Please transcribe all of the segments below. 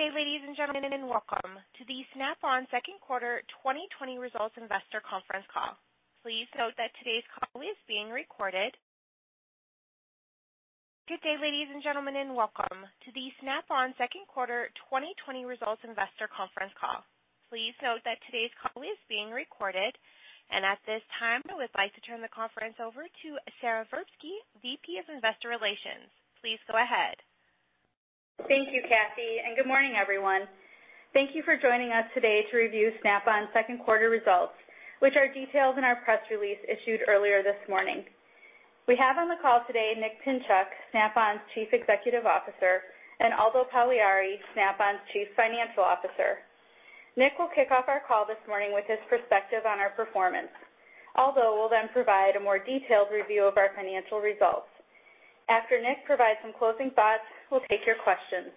Good day, ladies and gentlemen, and welcome to the Snap-on Second Quarter 2020 Results Investor Conference Call. Please note that today's call is being recorded, and at this time, I would like to turn the conference over to Sara Verbisky, VP of Investor Relations. Please go ahead. Thank you, Kathy, and good morning, everyone. Thank you for joining us today to review Snap-on Second Quarter results, which are detailed in our press release issued earlier this morning. We have on the call today Nick Pinchuk, Snap-on's Chief Executive Officer, and Aldo Pagliari, Snap-on's Chief Financial Officer. Nick will kick off our call this morning with his perspective on our performance. Aldo will then provide a more detailed review of our financial results. After Nick provides some closing thoughts, we'll take your questions.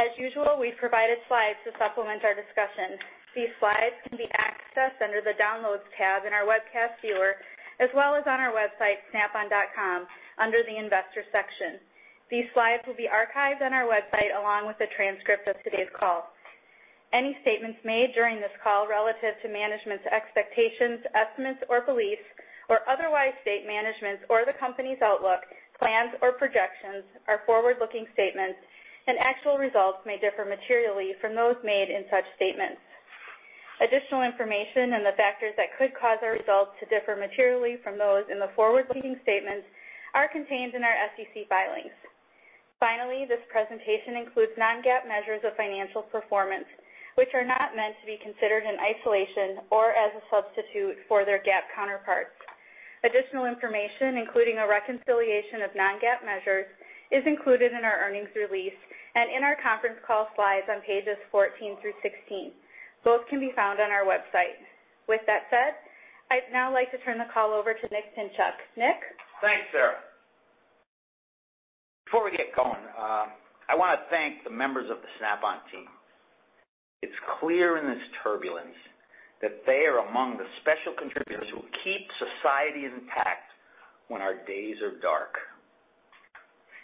As usual, we've provided slides to supplement our discussion. These slides can be accessed under the Downloads tab in our webcast viewer, as well as on our website, Snap-on.com, under the Investor section. These slides will be archived on our website along with the transcript of today's call. Any statements made during this call relative to management's expectations, estimates, or beliefs, or otherwise state management's or the company's outlook, plans, or projections are forward-looking statements, and actual results may differ materially from those made in such statements. Additional information and the factors that could cause our results to differ materially from those in the forward-looking statements are contained in our SEC filings. Finally, this presentation includes non-GAAP measures of financial performance, which are not meant to be considered in isolation or as a substitute for their GAAP counterparts. Additional information, including a reconciliation of non-GAAP measures, is included in our earnings release and in our conference call slides on pages 14 through 16. Both can be found on our website. With that said, I'd now like to turn the call over to Nick Pinchuk. Nick. Thanks, Sarah. Before we get going, I want to thank the members of the Snap-on team. It's clear in this turbulence that they are among the special contributors who keep society intact when our days are dark.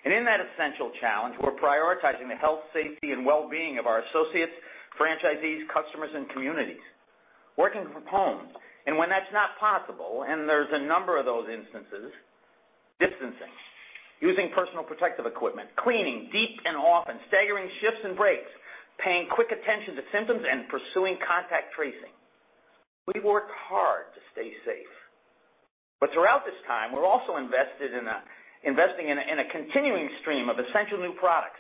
In that essential challenge, we're prioritizing the health, safety, and well-being of our associates, franchisees, customers, and communities. Working from home, and when that's not possible, and there's a number of those instances, distancing, using personal protective equipment, cleaning deep and often, staggering shifts and breaks, paying quick attention to symptoms, and pursuing contact tracing. We've worked hard to stay safe. Throughout this time, we're also investing in a continuing stream of essential new products.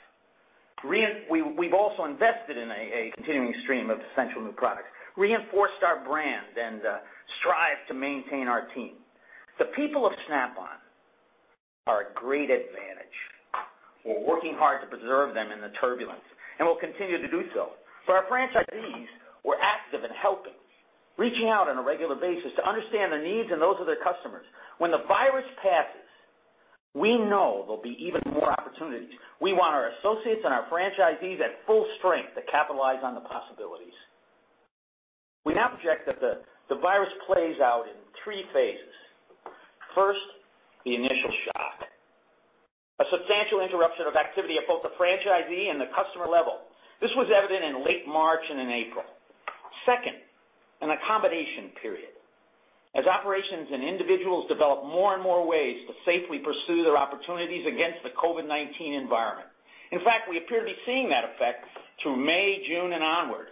We've also invested in a continuing stream of essential new products, reinforced our brand, and strived to maintain our team. The people of Snap-on are a great advantage. We're working hard to preserve them in the turbulence, and we'll continue to do so. For our franchisees, we're active in helping, reaching out on a regular basis to understand the needs and those of their customers. When the virus passes, we know there'll be even more opportunities. We want our associates and our franchisees at full strength to capitalize on the possibilities. We now project that the virus plays out in three phases. First, the initial shock, a substantial interruption of activity at both the franchisee and the customer level. This was evident in late March and in April. Second, an accommodation period as operations and individuals develop more and more ways to safely pursue their opportunities against the COVID-19 environment. In fact, we appear to be seeing that effect through May, June, and onward.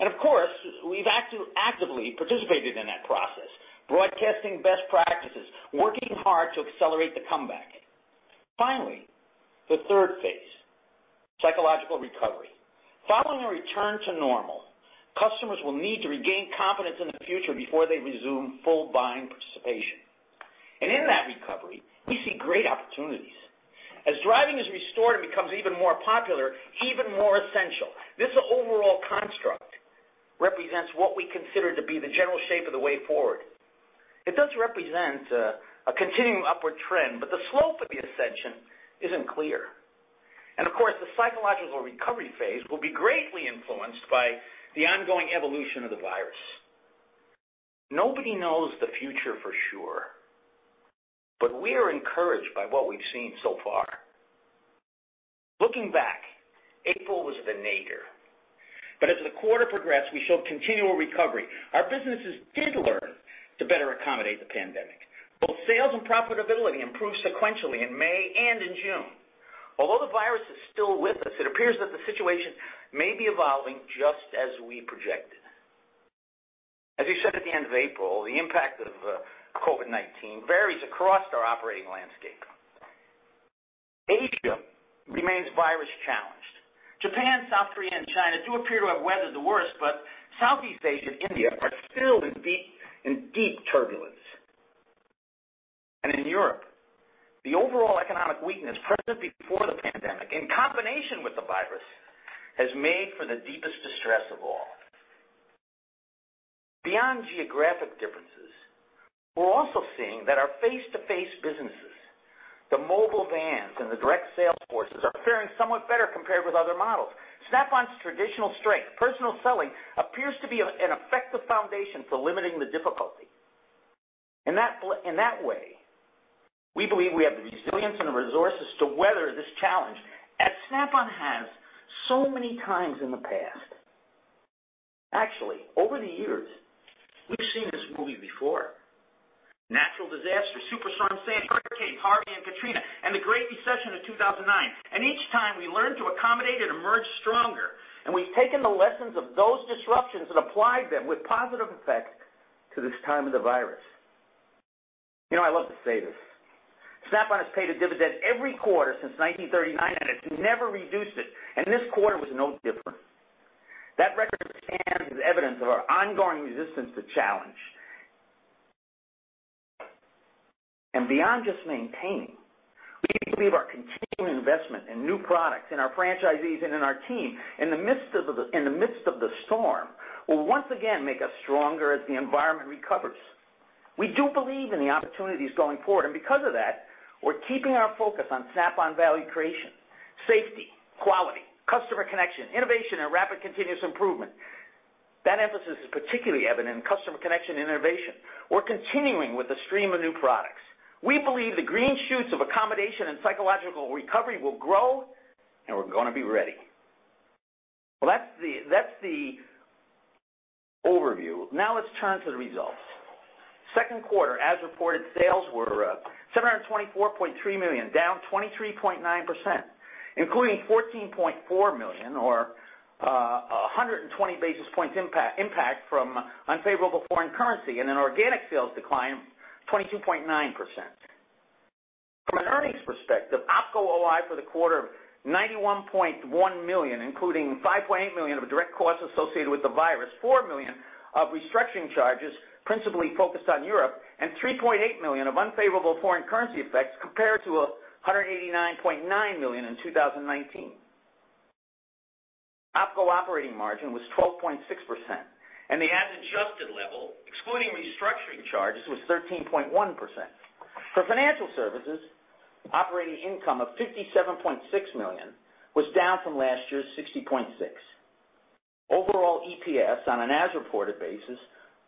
Of course, we've actively participated in that process, broadcasting best practices, working hard to accelerate the comeback. Finally, the third phase, psychological recovery. Following a return to normal, customers will need to regain confidence in the future before they resume full-blind participation. In that recovery, we see great opportunities. As driving is restored and becomes even more popular, even more essential. This overall construct represents what we consider to be the general shape of the way forward. It does represent a continuing upward trend, but the slope of the ascension isn't clear. The psychological recovery phase will be greatly influenced by the ongoing evolution of the virus. Nobody knows the future for sure, but we are encouraged by what we've seen so far. Looking back, April was the nadir. As the quarter progressed, we showed continual recovery. Our businesses did learn to better accommodate the pandemic. Both sales and profitability improved sequentially in May and in June. Although the virus is still with us, it appears that the situation may be evolving just as we projected. As you said at the end of April, the impact of COVID-19 varies across our operating landscape. Asia remains virus-challenged. Japan, South Korea, and China do appear to have weathered the worst, but Southeast Asia and India are still in deep turbulence. In Europe, the overall economic weakness present before the pandemic in combination with the virus has made for the deepest distress of all. Beyond geographic differences, we're also seeing that our face-to-face businesses, the mobile vans, and the direct sales forces are faring somewhat better compared with other models. Snap-on's traditional strength, personal selling, appears to be an effective foundation for limiting the difficulty. In that way, we believe we have the resilience and the resources to weather this challenge as Snap-on has so many times in the past. Actually, over the years, we've seen this movie before: natural disasters, superstorms, Sandy Hurricane, Harvey and Katrina, and the Great Recession of 2009. Each time, we learned to accommodate and emerge stronger. We've taken the lessons of those disruptions and applied them with positive effect to this time of the virus. I love to say this. Snap-on has paid a dividend every quarter since 1939, and it's never reduced it. This quarter was no different. That record stands as evidence of our ongoing resistance to challenge. Beyond just maintaining, we believe our continuing investment in new products, in our franchisees, and in our team in the midst of the storm will once again make us stronger as the environment recovers. We do believe in the opportunities going forward. Because of that, we're keeping our focus on Snap-on value creation: safety, quality, customer connection, innovation, and rapid continuous improvement. That emphasis is particularly evident in customer connection and innovation. We're continuing with the stream of new products. We believe the green shoots of accommodation and psychological recovery will grow, and we're going to be ready. That is the overview. Now let's turn to the results. Second quarter, as reported, sales were $724.3 million, down 23.9%, including $14.4 million or 120 bps impact from unfavorable foreign currency and an organic sales decline of 22.9%. From an earnings perspective, Opco OI for the quarter of $91.1 million, including $5.8 million of direct costs associated with the virus, $4 million of restructuring charges principally focused on Europe, and $3.8 million of unfavorable foreign currency effects compared to $189.9 million in 2019. Opco operating margin was 12.6%, and at the adjusted level, excluding restructuring charges, was 13.1%. For financial services, operating income of $57.6 million was down from last year's $60.6 million. Overall EPS on an as-reported basis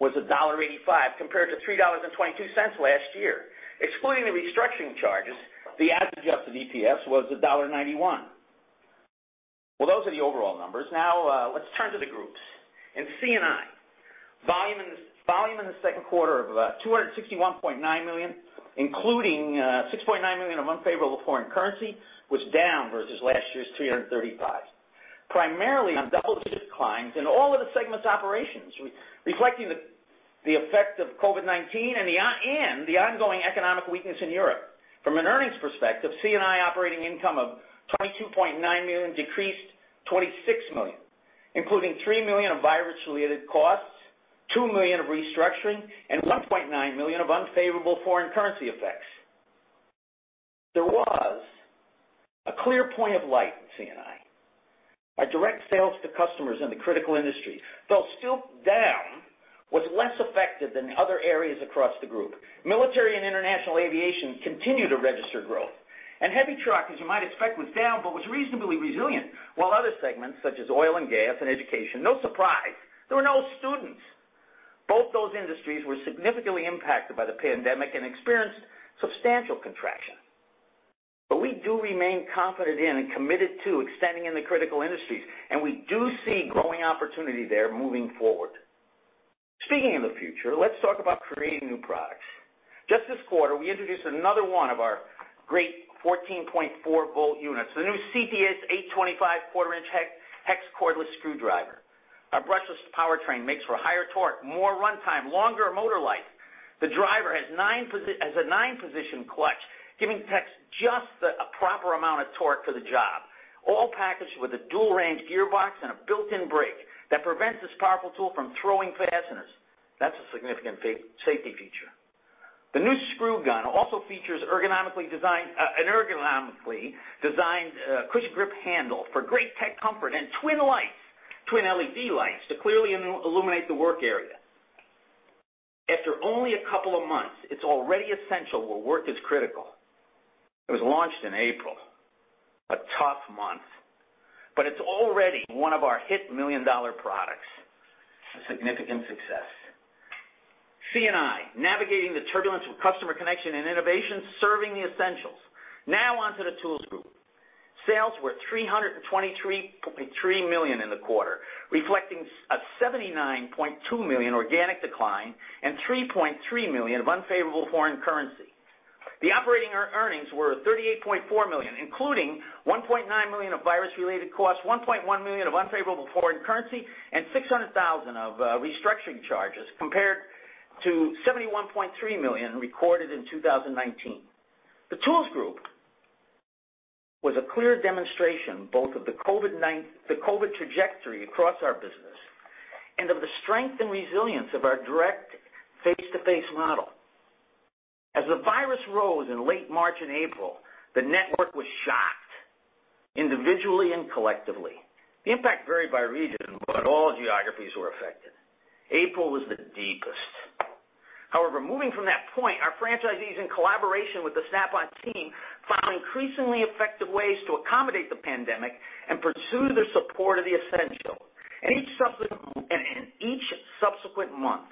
was $1.85 compared to $3.22 last year. Excluding the restructuring charges, the adjusted EPS was $1.91. Those are the overall numbers. Now let's turn to the groups. In C&I, volume in the second quarter of $261.9 million, including $6.9 million of unfavorable foreign currency, was down versus last year's $335 million. Primarily on double the declines in all of the segments' operations, reflecting the effect of COVID-19 and the ongoing economic weakness in Europe. From an earnings perspective, C&I operating income of $22.9 million decreased $26 million, including $3 million of virus-related costs, $2 million of restructuring, and $1.9 million of unfavorable foreign currency effects. There was a clear point of light in C&I. Our direct sales to customers in the critical industry, though still down, was less affected than other areas across the group. Military and international aviation continued to register growth. Heavy trucks, as you might expect, was down but was reasonably resilient, while other segments such as oil and gas and education, no surprise, there were no students. Both those industries were significantly impacted by the pandemic and experienced substantial contraction. We do remain confident in and committed to extending in the critical industries, and we do see growing opportunity there moving forward. Speaking of the future, let's talk about creating new products. Just this quarter, we introduced another one of our great 14.4-volt units, the new CTS825 quarter-inch hex cordless screwdriver. Our brushless powertrain makes for higher torque, more runtime, longer motor life. The driver has a nine-position clutch, giving techs just the proper amount of torque for the job, all packaged with a dual-range gearbox and a built-in brake that prevents this powerful tool from throwing fasteners. That's a significant safety feature. The new screw gun also features an ergonomically designed cushion grip handle for great tech comfort and twin LED lights to clearly illuminate the work area. After only a couple of months, it's already essential where work is critical. It was launched in April, a tough month, but it's already one of our hit million-dollar products, a significant success. C&I, navigating the turbulence with customer connection and innovation, serving the essentials. Now onto the Tools Group. Sales were $323 million in the quarter, reflecting a $79.2 million organic decline and $3.3 million of unfavorable foreign currency. The operating earnings were $38.4 million, including $1.9 million of virus-related costs, $1.1 million of unfavorable foreign currency, and $600,000 of restructuring charges compared to $71.3 million recorded in 2019. The Tools Group was a clear demonstration both of the COVID trajectory across our business and of the strength and resilience of our direct face-to-face model. As the virus rose in late March and April, the network was shocked individually and collectively. The impact varied by region, but all geographies were affected. April was the deepest. However, moving from that point, our franchisees in collaboration with the Snap-on team found increasingly effective ways to accommodate the pandemic and pursue their support of the essential. In each subsequent month,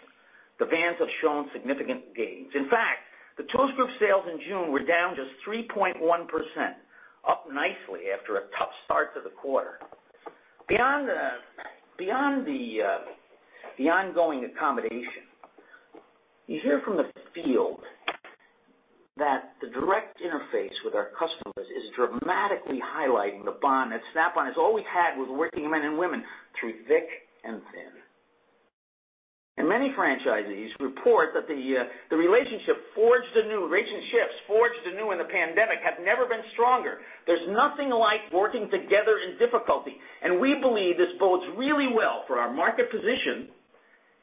the vans have shown significant gains. In fact, the Tools Group sales in June were down just 3.1%, up nicely after a tough start to the quarter. Beyond the ongoing accommodation, you hear from the field that the direct interface with our customers is dramatically highlighting the bond that Snap-on has always had with working men and women through thick and thin. Many franchisees report that relationships forged anew in the pandemic have never been stronger. There is nothing like working together in difficulty. We believe this bodes really well for our market position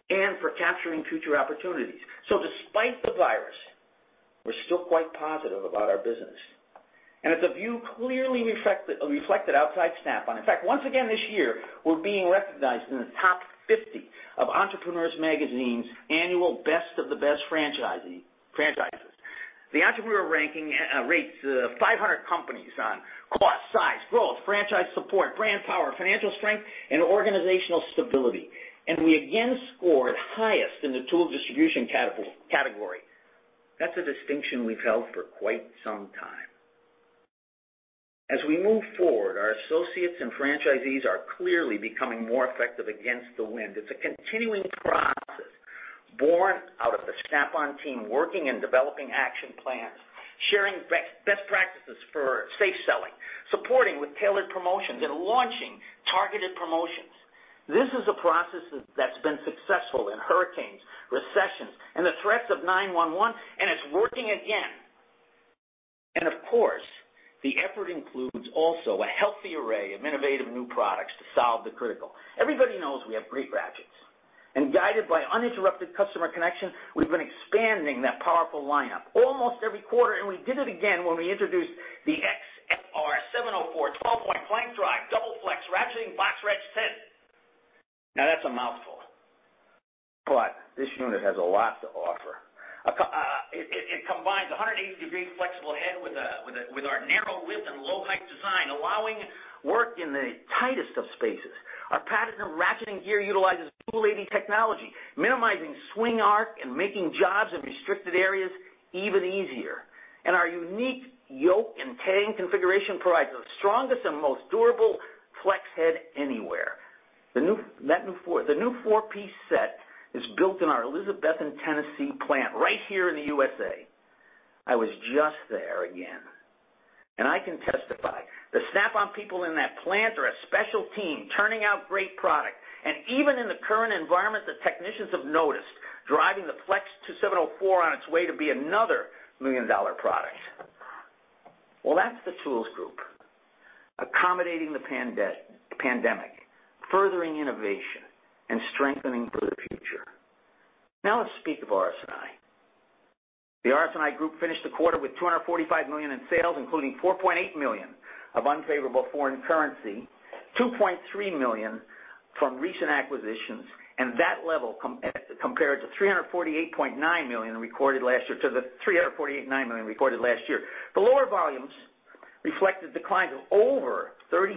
and for capturing future opportunities. Despite the virus, we are still quite positive about our business. It is a view clearly reflected outside Snap-on. In fact, once again this year, we are being recognized in the top 50 of Entrepreneur Magazine annual best of the best franchises. The Entrepreneur ranking rates 500 companies on cost, size, growth, franchise support, brand power, financial strength, and organizational stability. We again scored highest in the tool distribution category. That's a distinction we've held for quite some time. As we move forward, our associates and franchisees are clearly becoming more effective against the wind. It's a continuing process born out of the Snap-on team working and developing action plans, sharing best practices for safe selling, supporting with tailored promotions, and launching targeted promotions. This is a process that's been successful in hurricanes, recessions, and the threats of 9/11, and it's working again. Of course, the effort includes also a healthy array of innovative new products to solve the critical. Everybody knows we have great ratchets. Guided by uninterrupted customer connection, we've been expanding that powerful lineup almost every quarter. We did it again when we introduced the XFR704 12-point flank drive double flex ratcheting box wrench set. Now that's a mouthful. This unit has a lot to offer. It combines a 180-degree flexible head with our narrow width and low-height design, allowing work in the tightest of spaces. Our pattern of ratcheting gear utilizes dual-edge technology, minimizing swing arc and making jobs in restricted areas even easier. Our unique yoke and tang configuration provides the strongest and most durable flex head anywhere. The new four-piece set is built in our Elizabethton, Tennessee plant right here in the U.S.A. I was just there again. I can testify the Snap-on people in that plant are a special team turning out great product. Even in the current environment, the technicians have noticed driving the XFR704 on its way to be another million-dollar product. That is the Tools Group accommodating the pandemic, furthering innovation, and strengthening for the future. Now let's speak of RS&I. The RS&I group finished the quarter with $245 million in sales, including $4.8 million of unfavorable foreign currency, $2.3 million from recent acquisitions, and that level compared to $348.9 million recorded last year to the $348.9 million recorded last year. The lower volumes reflected declines of over 30%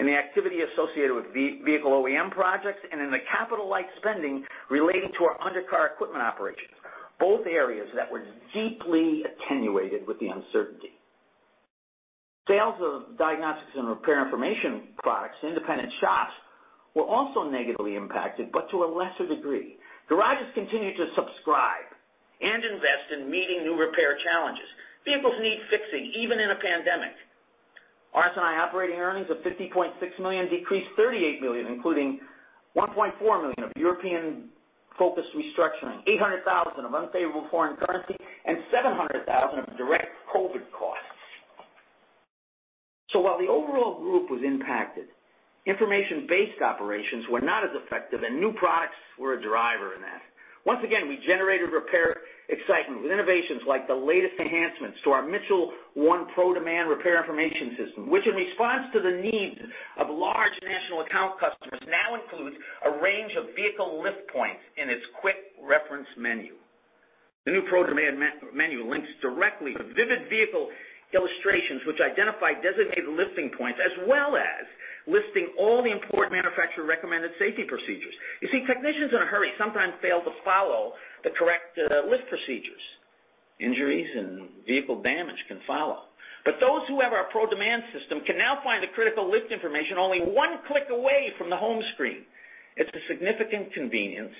in the activity associated with vehicle OEM projects and in the capital-like spending related to our undercar equipment operations, both areas that were deeply attenuated with the uncertainty. Sales of diagnostics and repair information products to independent shops were also negatively impacted, but to a lesser degree. Garages continue to subscribe and invest in meeting new repair challenges. Vehicles need fixing even in a pandemic. RS&I operating earnings of $50.6 million decreased $38 million, including $1.4 million of European-focused restructuring, $800,000 of unfavorable foreign currency, and $700,000 of direct COVID costs. While the overall group was impacted, information-based operations were not as effective, and new products were a driver in that. Once again, we generated repair excitement with innovations like the latest enhancements to our Mitchell One Pro Demand repair information system, which in response to the needs of large national account customers now includes a range of vehicle lift points in its quick reference menu. The new Pro Demand menu links directly to vivid vehicle illustrations, which identify designated lifting points as well as listing all the important manufacturer-recommended safety procedures. You see, technicians in a hurry sometimes fail to follow the correct lift procedures. Injuries and vehicle damage can follow. Those who have our Pro Demand system can now find the critical lift information only one click away from the home screen. It is a significant convenience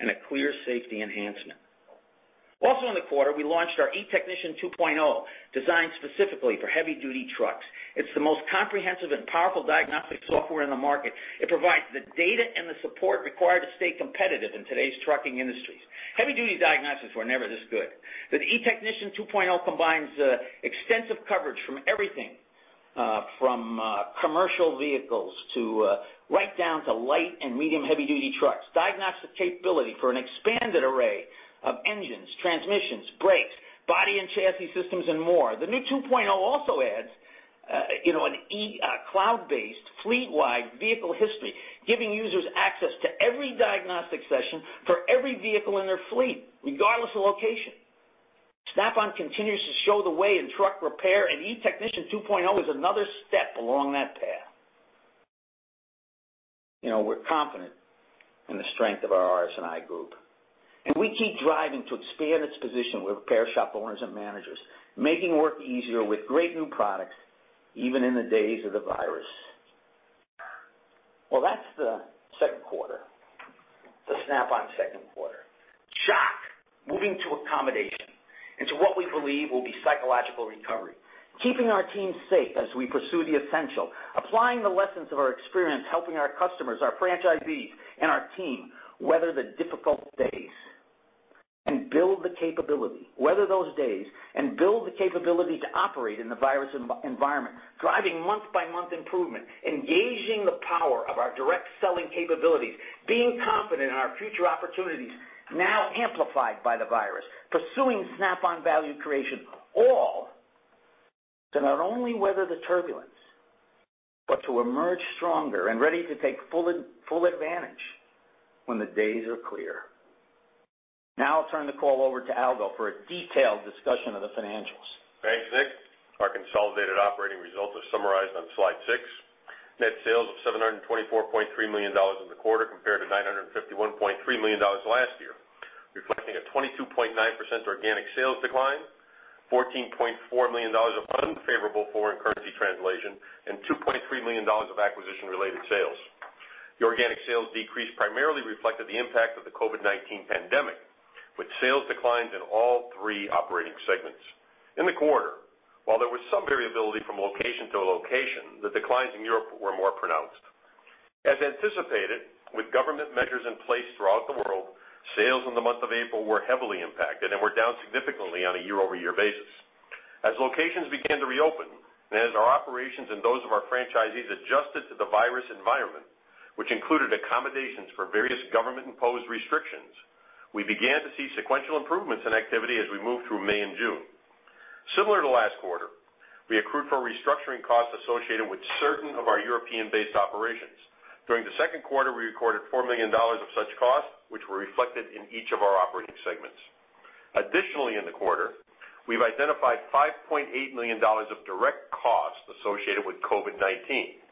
and a clear safety enhancement. Also in the quarter, we launched our e-technician 2.0, designed specifically for heavy-duty trucks. It's the most comprehensive and powerful diagnostic software in the market. It provides the data and the support required to stay competitive in today's trucking industries. Heavy-duty diagnostics were never this good. The e-technician 2.0 combines extensive coverage from everything from commercial vehicles to right down to light and medium heavy-duty trucks, diagnostic capability for an expanded array of engines, transmissions, brakes, body and chassis systems, and more. The new 2.0 also adds an e-cloud-based fleet-wide vehicle history, giving users access to every diagnostic session for every vehicle in their fleet, regardless of location. Snap-on continues to show the way in truck repair, and e-technician 2.0 is another step along that path. We're confident in the strength of our RS&I group. We keep driving to expand its position with repair shop owners and managers, making work easier with great new products even in the days of the virus. That is the second quarter. The Snap-on second quarter. Shock moving to accommodation into what we believe will be psychological recovery, keeping our team safe as we pursue the essential, applying the lessons of our experience, helping our customers, our franchisees, and our team weather the difficult days, and build the capability, weather those days, and build the capability to operate in the virus environment, driving month-by-month improvement, engaging the power of our direct selling capabilities, being confident in our future opportunities now amplified by the virus, pursuing Snap-on value creation, all to not only weather the turbulence, but to emerge stronger and ready to take full advantage when the days are clear. Now I'll turn the call over to Aldo for a detailed discussion of the financials. Thanks, Nick. Our consolidated operating results are summarized on slide six. Net sales of $724.3 million in the quarter compared to $951.3 million last year, reflecting a 22.9% organic sales decline, $14.4 million of unfavorable foreign currency translation, and $2.3 million of acquisition-related sales. The organic sales decrease primarily reflected the impact of the COVID-19 pandemic, with sales declines in all three operating segments. In the quarter, while there was some variability from location to location, the declines in Europe were more pronounced. As anticipated, with government measures in place throughout the world, sales in the month of April were heavily impacted and were down significantly on a year-over-year basis. As locations began to reopen and as our operations and those of our franchisees adjusted to the virus environment, which included accommodations for various government-imposed restrictions, we began to see sequential improvements in activity as we moved through May and June. Similar to last quarter, we accrued for restructuring costs associated with certain of our European-based operations. During the second quarter, we recorded $4 million of such costs, which were reflected in each of our operating segments. Additionally, in the quarter, we've identified $5.8 million of direct costs associated with COVID-19.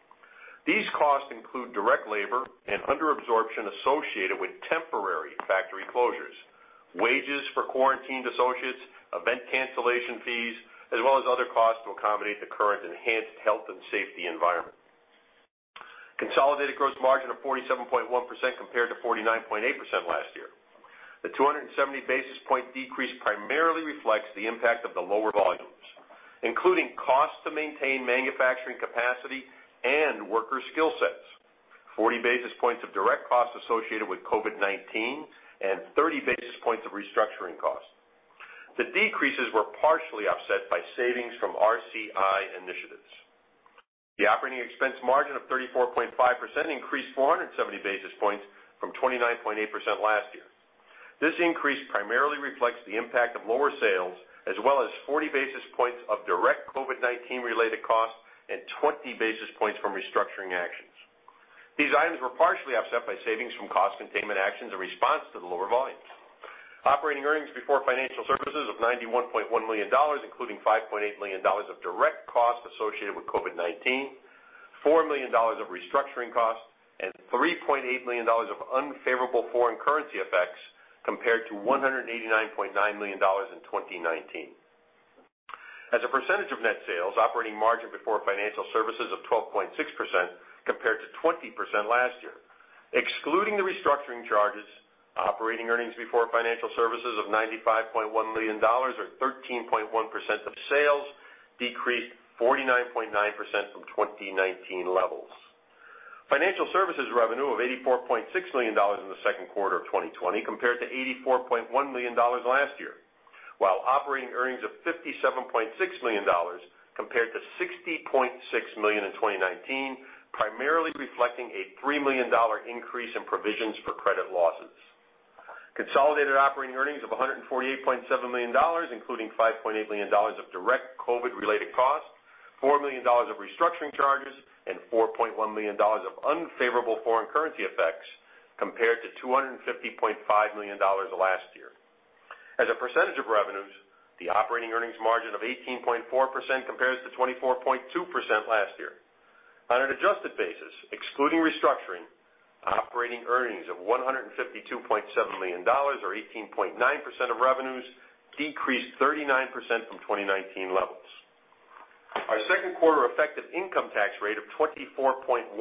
These costs include direct labor and underabsorption associated with temporary factory closures, wages for quarantined associates, event cancellation fees, as well as other costs to accommodate the current enhanced health and safety environment. Consolidated gross margin of 47.1% compared to 49.8% last year. The 270 bps decrease primarily reflects the impact of the lower volumes, including costs to maintain manufacturing capacity and worker skill sets, 40 bps of direct costs associated with COVID-19, and 30 bps of restructuring costs. The decreases were partially offset by savings from RCI initiatives. The operating expense margin of 34.5% increased 470bps from 29.8% last year. This increase primarily reflects the impact of lower sales, as well as 40 bps of direct COVID-19-related costs and 20 bps from restructuring actions. These items were partially offset by savings from cost containment actions in response to the lower volumes. Operating earnings before financial services of $91.1 million, including $5.8 million of direct costs associated with COVID-19, $4 million of restructuring costs, and $3.8 million of unfavorable foreign currency effects compared to $189.9 million in 2019. As a percentage of net sales, operating margin before financial services of 12.6% compared to 20% last year. Excluding the restructuring charges, operating earnings before financial services of $95.1 million or 13.1% of sales decreased 49.9% from 2019 levels. Financial services revenue of $84.6 million in the second quarter of 2020 compared to $84.1 million last year, while operating earnings of $57.6 million compared to $60.6 million in 2019, primarily reflecting a $3 million increase in provisions for credit losses. Consolidated operating earnings of $148.7 million, including $5.8 million of direct COVID-19-related costs, $4 million of restructuring charges, and $4.1 million of unfavorable foreign currency effects compared to $250.5 million last year. As a percentage of revenues, the operating earnings margin of 18.4% compares to 24.2% last year. On an adjusted basis, excluding restructuring, operating earnings of $152.7 million or 18.9% of revenues decreased 39% from 2019 levels. Our second quarter effective income tax rate of 24.1%,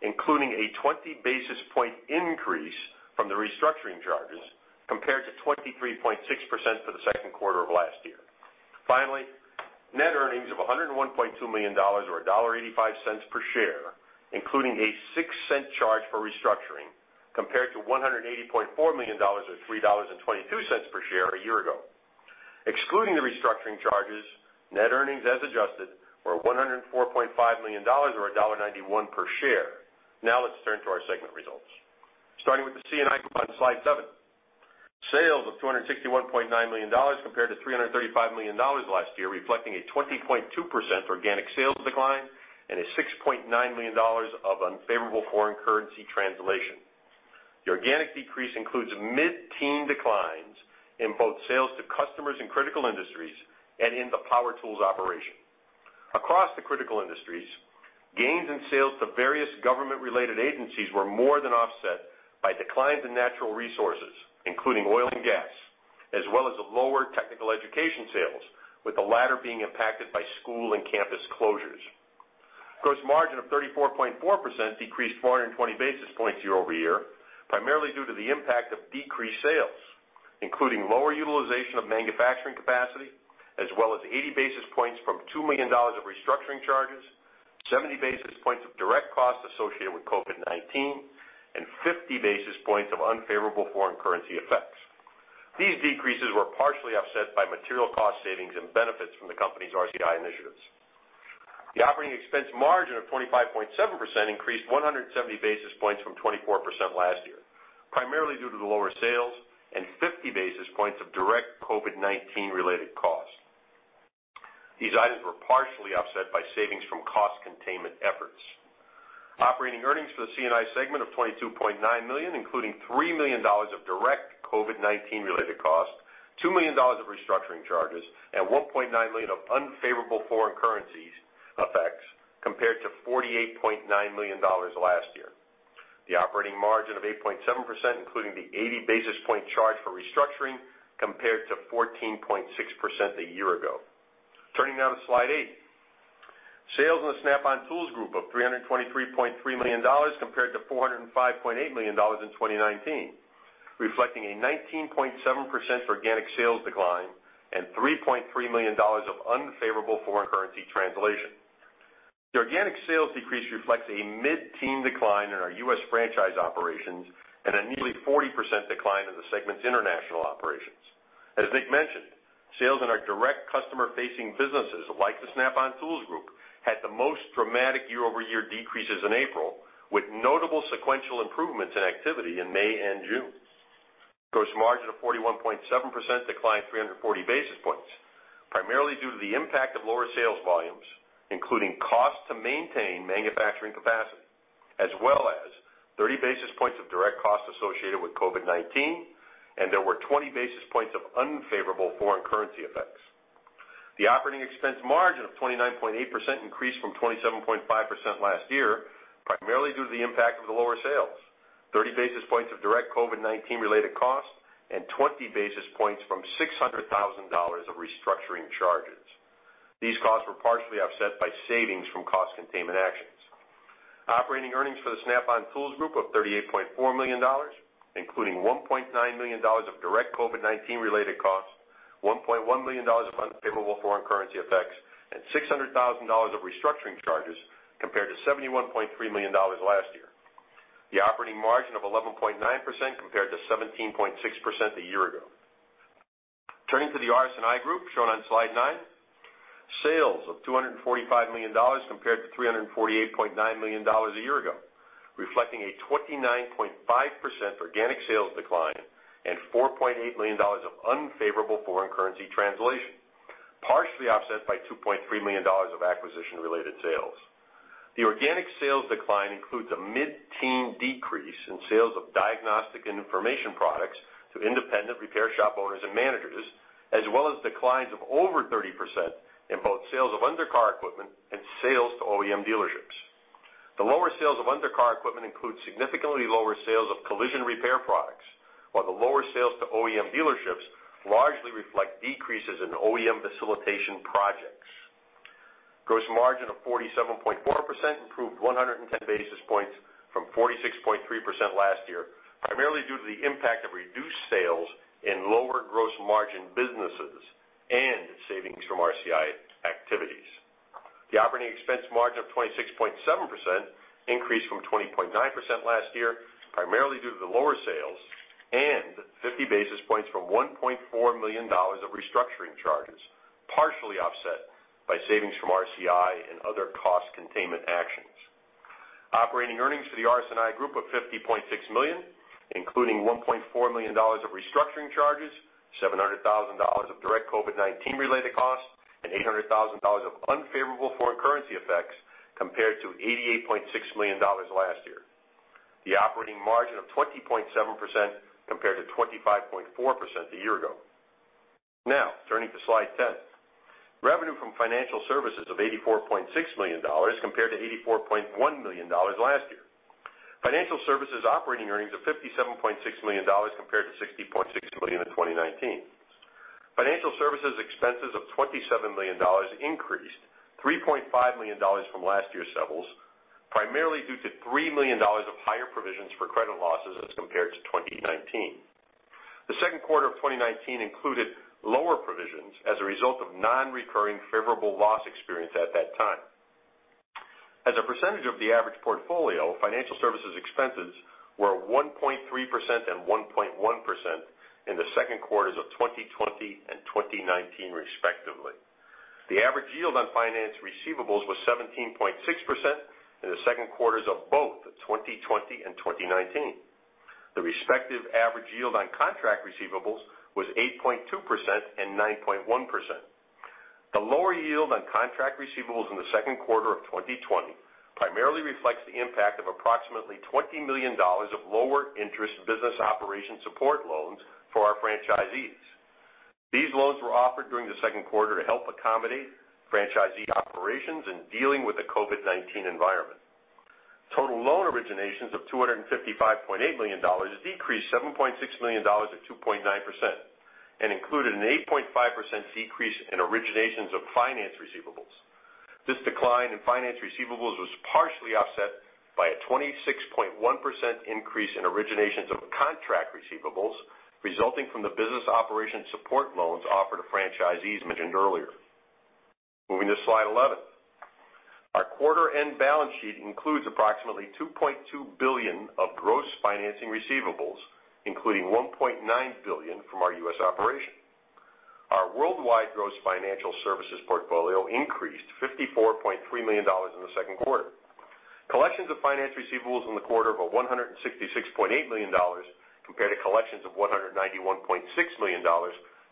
including a 20 bps increase from the restructuring charges, compared to 23.6% for the second quarter of last year. Finally, net earnings of $101.2 million or $1.85 per share, including a $0.06 charge for restructuring, compared to $180.4 million or $3.22 per share a year ago. Excluding the restructuring charges, net earnings as adjusted were $104.5 million or $1.91 per share. Now let's turn to our segment results. Starting with the C&I group on slide seven. Sales of $261.9 million compared to $335 million last year, reflecting a 20.2% organic sales decline and a $6.9 million of unfavorable foreign currency translation. The organic decrease includes mid-teen declines in both sales to customers in critical industries and in the power tools operation. Across the critical industries, gains in sales to various government-related agencies were more than offset by declines in natural resources, including oil and gas, as well as lower technical education sales, with the latter being impacted by school and campus closures. Gross margin of 34.4% decreased 420 bps year over year, primarily due to the impact of decreased sales, including lower utilization of manufacturing capacity, as well as 80 bps from $2 million of restructuring charges, 70 bps of direct costs associated with COVID-19, and 50 bps of unfavorable foreign currency effects. These decreases were partially offset by material cost savings and benefits from the company's RCI initiatives. The operating expense margin of 25.7% increased 170 bps from 24% last year, primarily due to the lower sales and 50 bps of direct COVID-19-related costs. These items were partially offset by savings from cost containment efforts. Operating earnings for the C&I segment of $22.9 million, including $3 million of direct COVID-19-related costs, $2 million of restructuring charges, and $1.9 million of unfavorable foreign currency effects, compared to $48.9 million last year. The operating margin of 8.7%, including the 80 bp charge for restructuring, compared to 14.6% a year ago. Turning now to slide eight. Sales in the Snap-on Tools Group of $323.3 million compared to $405.8 million in 2019, reflecting a 19.7% organic sales decline and $3.3 million of unfavorable foreign currency translation. The organic sales decrease reflects a mid-teen decline in our U.S. franchise operations and a nearly 40% decline in the segment's international operations. As Nick mentioned, sales in our direct customer-facing businesses like the Snap-on Tools Group had the most dramatic year-over-year decreases in April, with notable sequential improvements in activity in May and June. Gross margin of 41.7% declined 340 bps, primarily due to the impact of lower sales volumes, including costs to maintain manufacturing capacity, as well as 30 bps of direct costs associated with COVID-19, and there were 20 bps of unfavorable foreign currency effects. The operating expense margin of 29.8% increased from 27.5% last year, primarily due to the impact of the lower sales, 30 bps of direct COVID-19-related costs, and 20 bps from $600,000 of restructuring charges. These costs were partially offset by savings from cost containment actions. Operating earnings for the Snap-on Tools Group of $38.4 million, including $1.9 million of direct COVID-19-related costs, $1.1 million of unfavorable foreign currency effects, and $600,000 of restructuring charges, compared to $71.3 million last year. The operating margin of 11.9% compared to 17.6% a year ago. Turning to the RS&I group shown on slide nine, sales of $245 million compared to $348.9 million a year ago, reflecting a 29.5% organic sales decline and $4.8 million of unfavorable foreign currency translation, partially offset by $2.3 million of acquisition-related sales. The organic sales decline includes a mid-teen decrease in sales of diagnostic and information products to independent repair shop owners and managers, as well as declines of over 30% in both sales of undercar equipment and sales to OEM dealerships. The lower sales of undercar equipment include significantly lower sales of collision repair products, while the lower sales to OEM dealerships largely reflect decreases in OEM facilitation projects. Gross margin of 47.4% improved 110 bps from 46.3% last year, primarily due to the impact of reduced sales in lower gross margin businesses and savings from RCI activities. The operating expense margin of 26.7% increased from 20.9% last year, primarily due to the lower sales and 50 bps from $1.4 million of restructuring charges, partially offset by savings from RCI and other cost containment actions. Operating earnings for the RS&I group of $50.6 million, including $1.4 million of restructuring charges, $700,000 of direct COVID-19-related costs, and $800,000 of unfavorable foreign currency effects compared to $88.6 million last year. The operating margin of 20.7% compared to 25.4% a year ago. Now turning to slide 10, revenue from financial services of $84.6 million compared to $84.1 million last year. Financial services operating earnings of $57.6 million compared to $60.6 million in 2019. Financial services expenses of $27 million increased $3.5 million from last year's levels, primarily due to $3 million of higher provisions for credit losses as compared to 2019. The second quarter of 2019 included lower provisions as a result of non-recurring favorable loss experience at that time. As a percentage of the average portfolio, financial services expenses were 1.3% and 1.1% in the second quarters of 2020 and 2019, respectively. The average yield on finance receivables was 17.6% in the second quarters of both 2020 and 2019. The respective average yield on contract receivables was 8.2% and 9.1%. The lower yield on contract receivables in the second quarter of 2020 primarily reflects the impact of approximately $20 million of lower interest business operation support loans for our franchisees. These loans were offered during the second quarter to help accommodate franchisee operations and dealing with the COVID-19 environment. Total loan originations of $255.8 million decreased $7.6 million at 2.9% and included an 8.5% decrease in originations of finance receivables. This decline in finance receivables was partially offset by a 26.1% increase in originations of contract receivables resulting from the business operation support loans offered to franchisees mentioned earlier. Moving to slide 11. Our quarter-end balance sheet includes approximately $2.2 billion of gross financing receivables, including $1.9 billion from our U.S. operation. Our worldwide gross financial services portfolio increased $54.3 million in the second quarter. Collections of finance receivables in the quarter were $166.8 million compared to collections of $191.6 million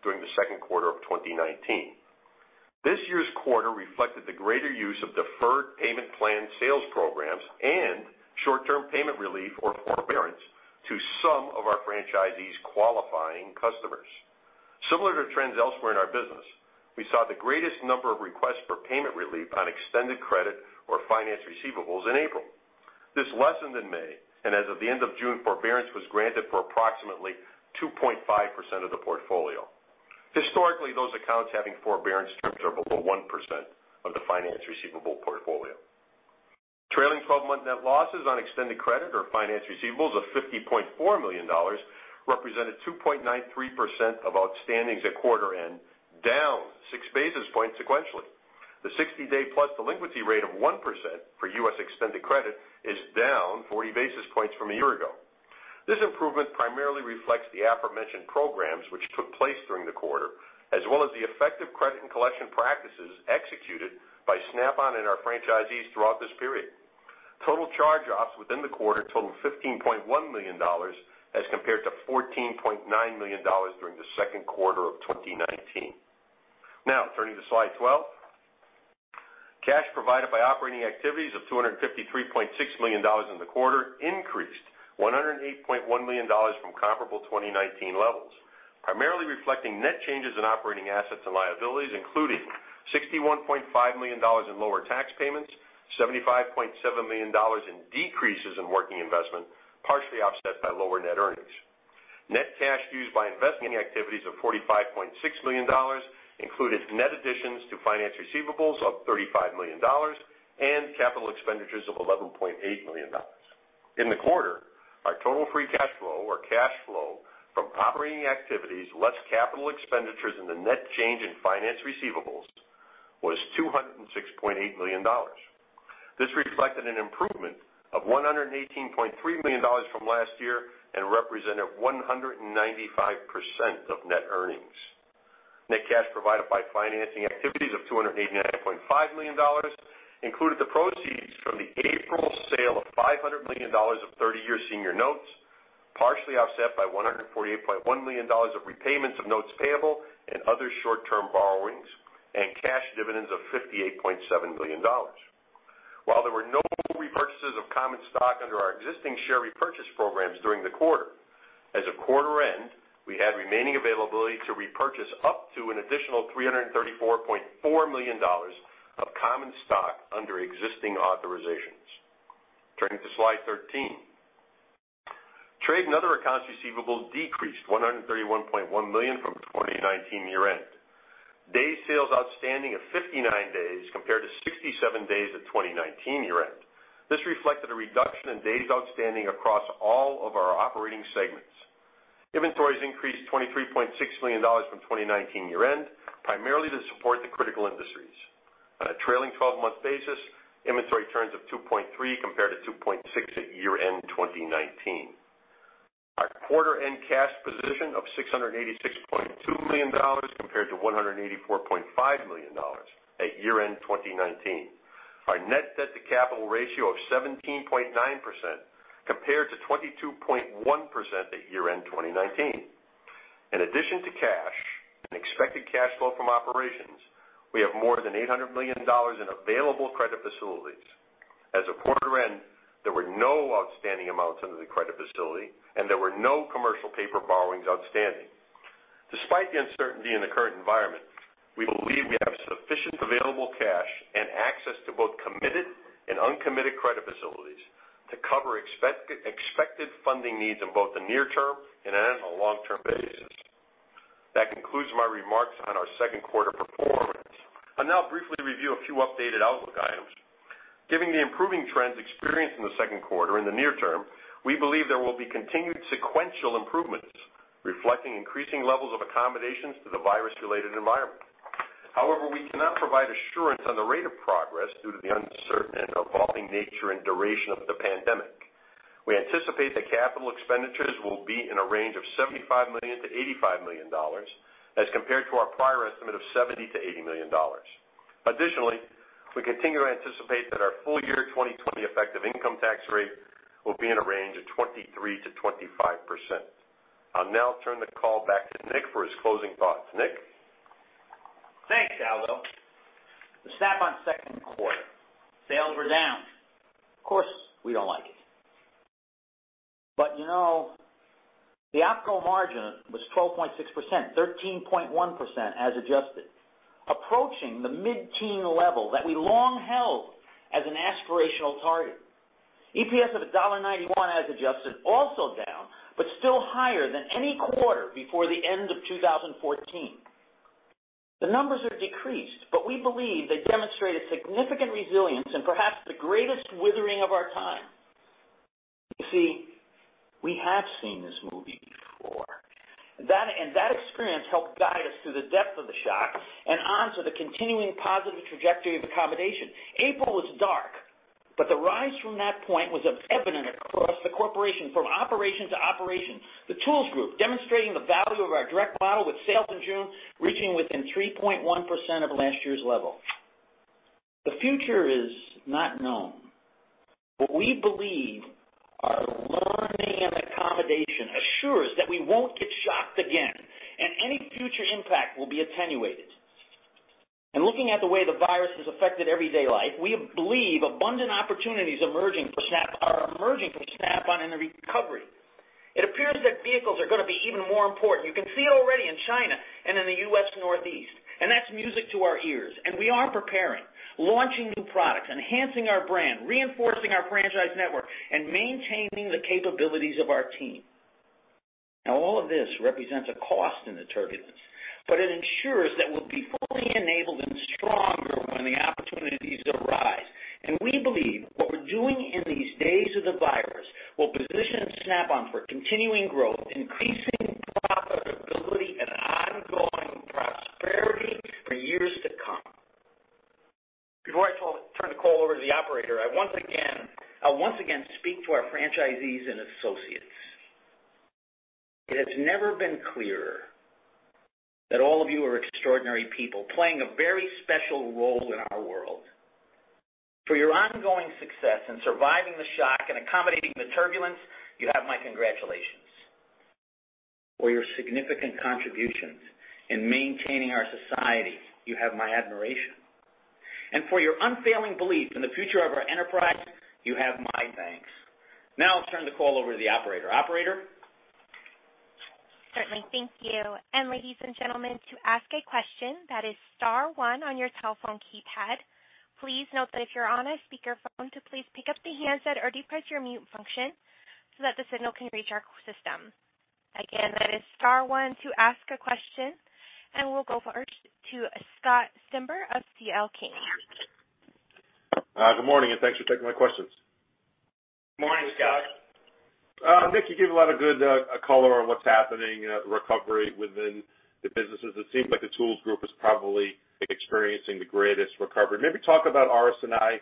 during the second quarter of 2019. This year's quarter reflected the greater use of deferred payment plan sales programs and short-term payment relief or forbearance to some of our franchisees' qualifying customers. Similar to trends elsewhere in our business, we saw the greatest number of requests for payment relief on extended credit or finance receivables in April. This lessened in May, and as of the end of June, forbearance was granted for approximately 2.5% of the portfolio. Historically, those accounts having forbearance terms are below 1% of the finance receivable portfolio. Trailing 12-month net losses on extended credit or finance receivables of $50.4 million represented 2.93% of outstandings at quarter-end, down 6 bps sequentially. The 60-day+ delinquency rate of 1% for U.S. Extended credit is down 40 bps from a year ago. This improvement primarily reflects the aforementioned programs, which took place during the quarter, as well as the effective credit and collection practices executed by Snap-on and our franchisees throughout this period. Total charge-offs within the quarter totaled $15.1 million as compared to $14.9 million during the second quarter of 2019. Now turning to slide 12. Cash provided by operating activities of $253.6 million in the quarter increased $108.1 million from comparable 2019 levels, primarily reflecting net changes in operating assets and liabilities, including $61.5 million in lower tax payments, $75.7 million in decreases in working investment, partially offset by lower net earnings. Net cash used by investment activities of $45.6 million included net additions to finance receivables of $35 million and capital expenditures of $11.8 million. In the quarter, our total free cash flow or cash flow from operating activities less capital expenditures and the net change in finance receivables was $206.8 million. This reflected an improvement of $118.3 million from last year and represented 195% of net earnings. Net cash provided by financing activities of $289.5 million included the proceeds from the April sale of $500 million of 30-year senior notes, partially offset by $148.1 million of repayments of notes payable and other short-term borrowings, and cash dividends of $58.7 million. While there were no repurchases of common stock under our existing share repurchase programs during the quarter, as of quarter-end, we had remaining availability to repurchase up to an additional $334.4 million of common stock under existing authorizations. Turning to slide 13. Trade and other accounts receivable decreased $131.1 million from 2019 year-end. Day sales outstanding of 59 days compared to 67 days at 2019 year-end. This reflected a reduction in days outstanding across all of our operating segments. Inventories increased $23.6 million from 2019 year-end, primarily to support the critical industries. On a trailing 12-month basis, inventory turns of 2.3 compared to 2.6 at year-end 2019. Our quarter-end cash position of $686.2 million compared to $184.5 million at year-end 2019. Our net debt to capital ratio of 17.9% compared to 22.1% at year-end 2019. In addition to cash and expected cash flow from operations, we have more than $800 million in available credit facilities. As a quarter-end, there were no outstanding amounts under the credit facility, and there were no commercial paper borrowings outstanding. Despite the uncertainty in the current environment, we believe we have sufficient available cash and access to both committed and uncommitted credit facilities to cover expected funding needs on both the near-term and on a long-term basis. That concludes my remarks on our second quarter performance. I'll now briefly review a few updated outlook items. Given the improving trends experienced in the second quarter in the near term, we believe there will be continued sequential improvements, reflecting increasing levels of accommodations to the virus-related environment. However, we cannot provide assurance on the rate of progress due to the uncertain and evolving nature and duration of the pandemic. We anticipate that capital expenditures will be in a range of $75 million-$85 million as compared to our prior estimate of $70 million-$80 million. Additionally, we continue to anticipate that our full year 2020 effective income tax rate will be in a range of 23%-25%. I'll now turn the call back to Nick for his closing thoughts. Nick? Thanks, Aldo. The Snap-on second quarter, sales were down. Of course, we do not like it. The opco margin was 12.6%, 13.1% as adjusted, approaching the mid-teen level that we long held as an aspirational target. EPS of $1.91 as adjusted also down, but still higher than any quarter before the end of 2014. The numbers are decreased, but we believe they demonstrate a significant resilience and perhaps the greatest withering of our time. You see, we have seen this movie before. That experience helped guide us through the depth of the shock and onto the continuing positive trajectory of accommodation. April was dark, but the rise from that point was evident across the corporation from operation to operation. The Tools Group demonstrating the value of our direct model with sales in June reaching within 3.1% of last year's level. The future is not known, but we believe our learning and accommodation assures that we won't get shocked again and any future impact will be attenuated. Looking at the way the virus has affected everyday life, we believe abundant opportunities are emerging for Snap-on in the recovery. It appears that vehicles are going to be even more important. You can see it already in China and in the U.S. Northeast. That is music to our ears. We are preparing, launching new products, enhancing our brand, reinforcing our franchise network, and maintaining the capabilities of our team. All of this represents a cost in the turbulence, but it ensures that we'll be fully enabled and stronger when the opportunities arise. We believe what we're doing in these days of the virus will position Snap-on for continuing growth, increasing profitability, and ongoing prosperity for years to come. Before I turn the call over to the operator, I once again speak to our franchisees and associates. It has never been clearer that all of you are extraordinary people playing a very special role in our world. For your ongoing success in surviving the shock and accommodating the turbulence, you have my congratulations. For your significant contributions in maintaining our society, you have my admiration. For your unfailing belief in the future of our enterprise, you have my thanks. Now I'll turn the call over to the operator. Operator? Certainly. Thank you. Ladies and gentlemen, to ask a question, that is star one on your telephone keypad. Please note that if you're on a speakerphone, please pick up the handset or depress your mute function so that the signal can reach our system. Again, that is star one to ask a question. We'll go first to Scott Simba of C.L. King. Good morning and thanks for taking my questions. Good morning, Scott. Nick, you give a lot of good color on what's happening, the recovery within the businesses. It seems like the Tools Group is probably experiencing the greatest recovery. Maybe talk about RS&I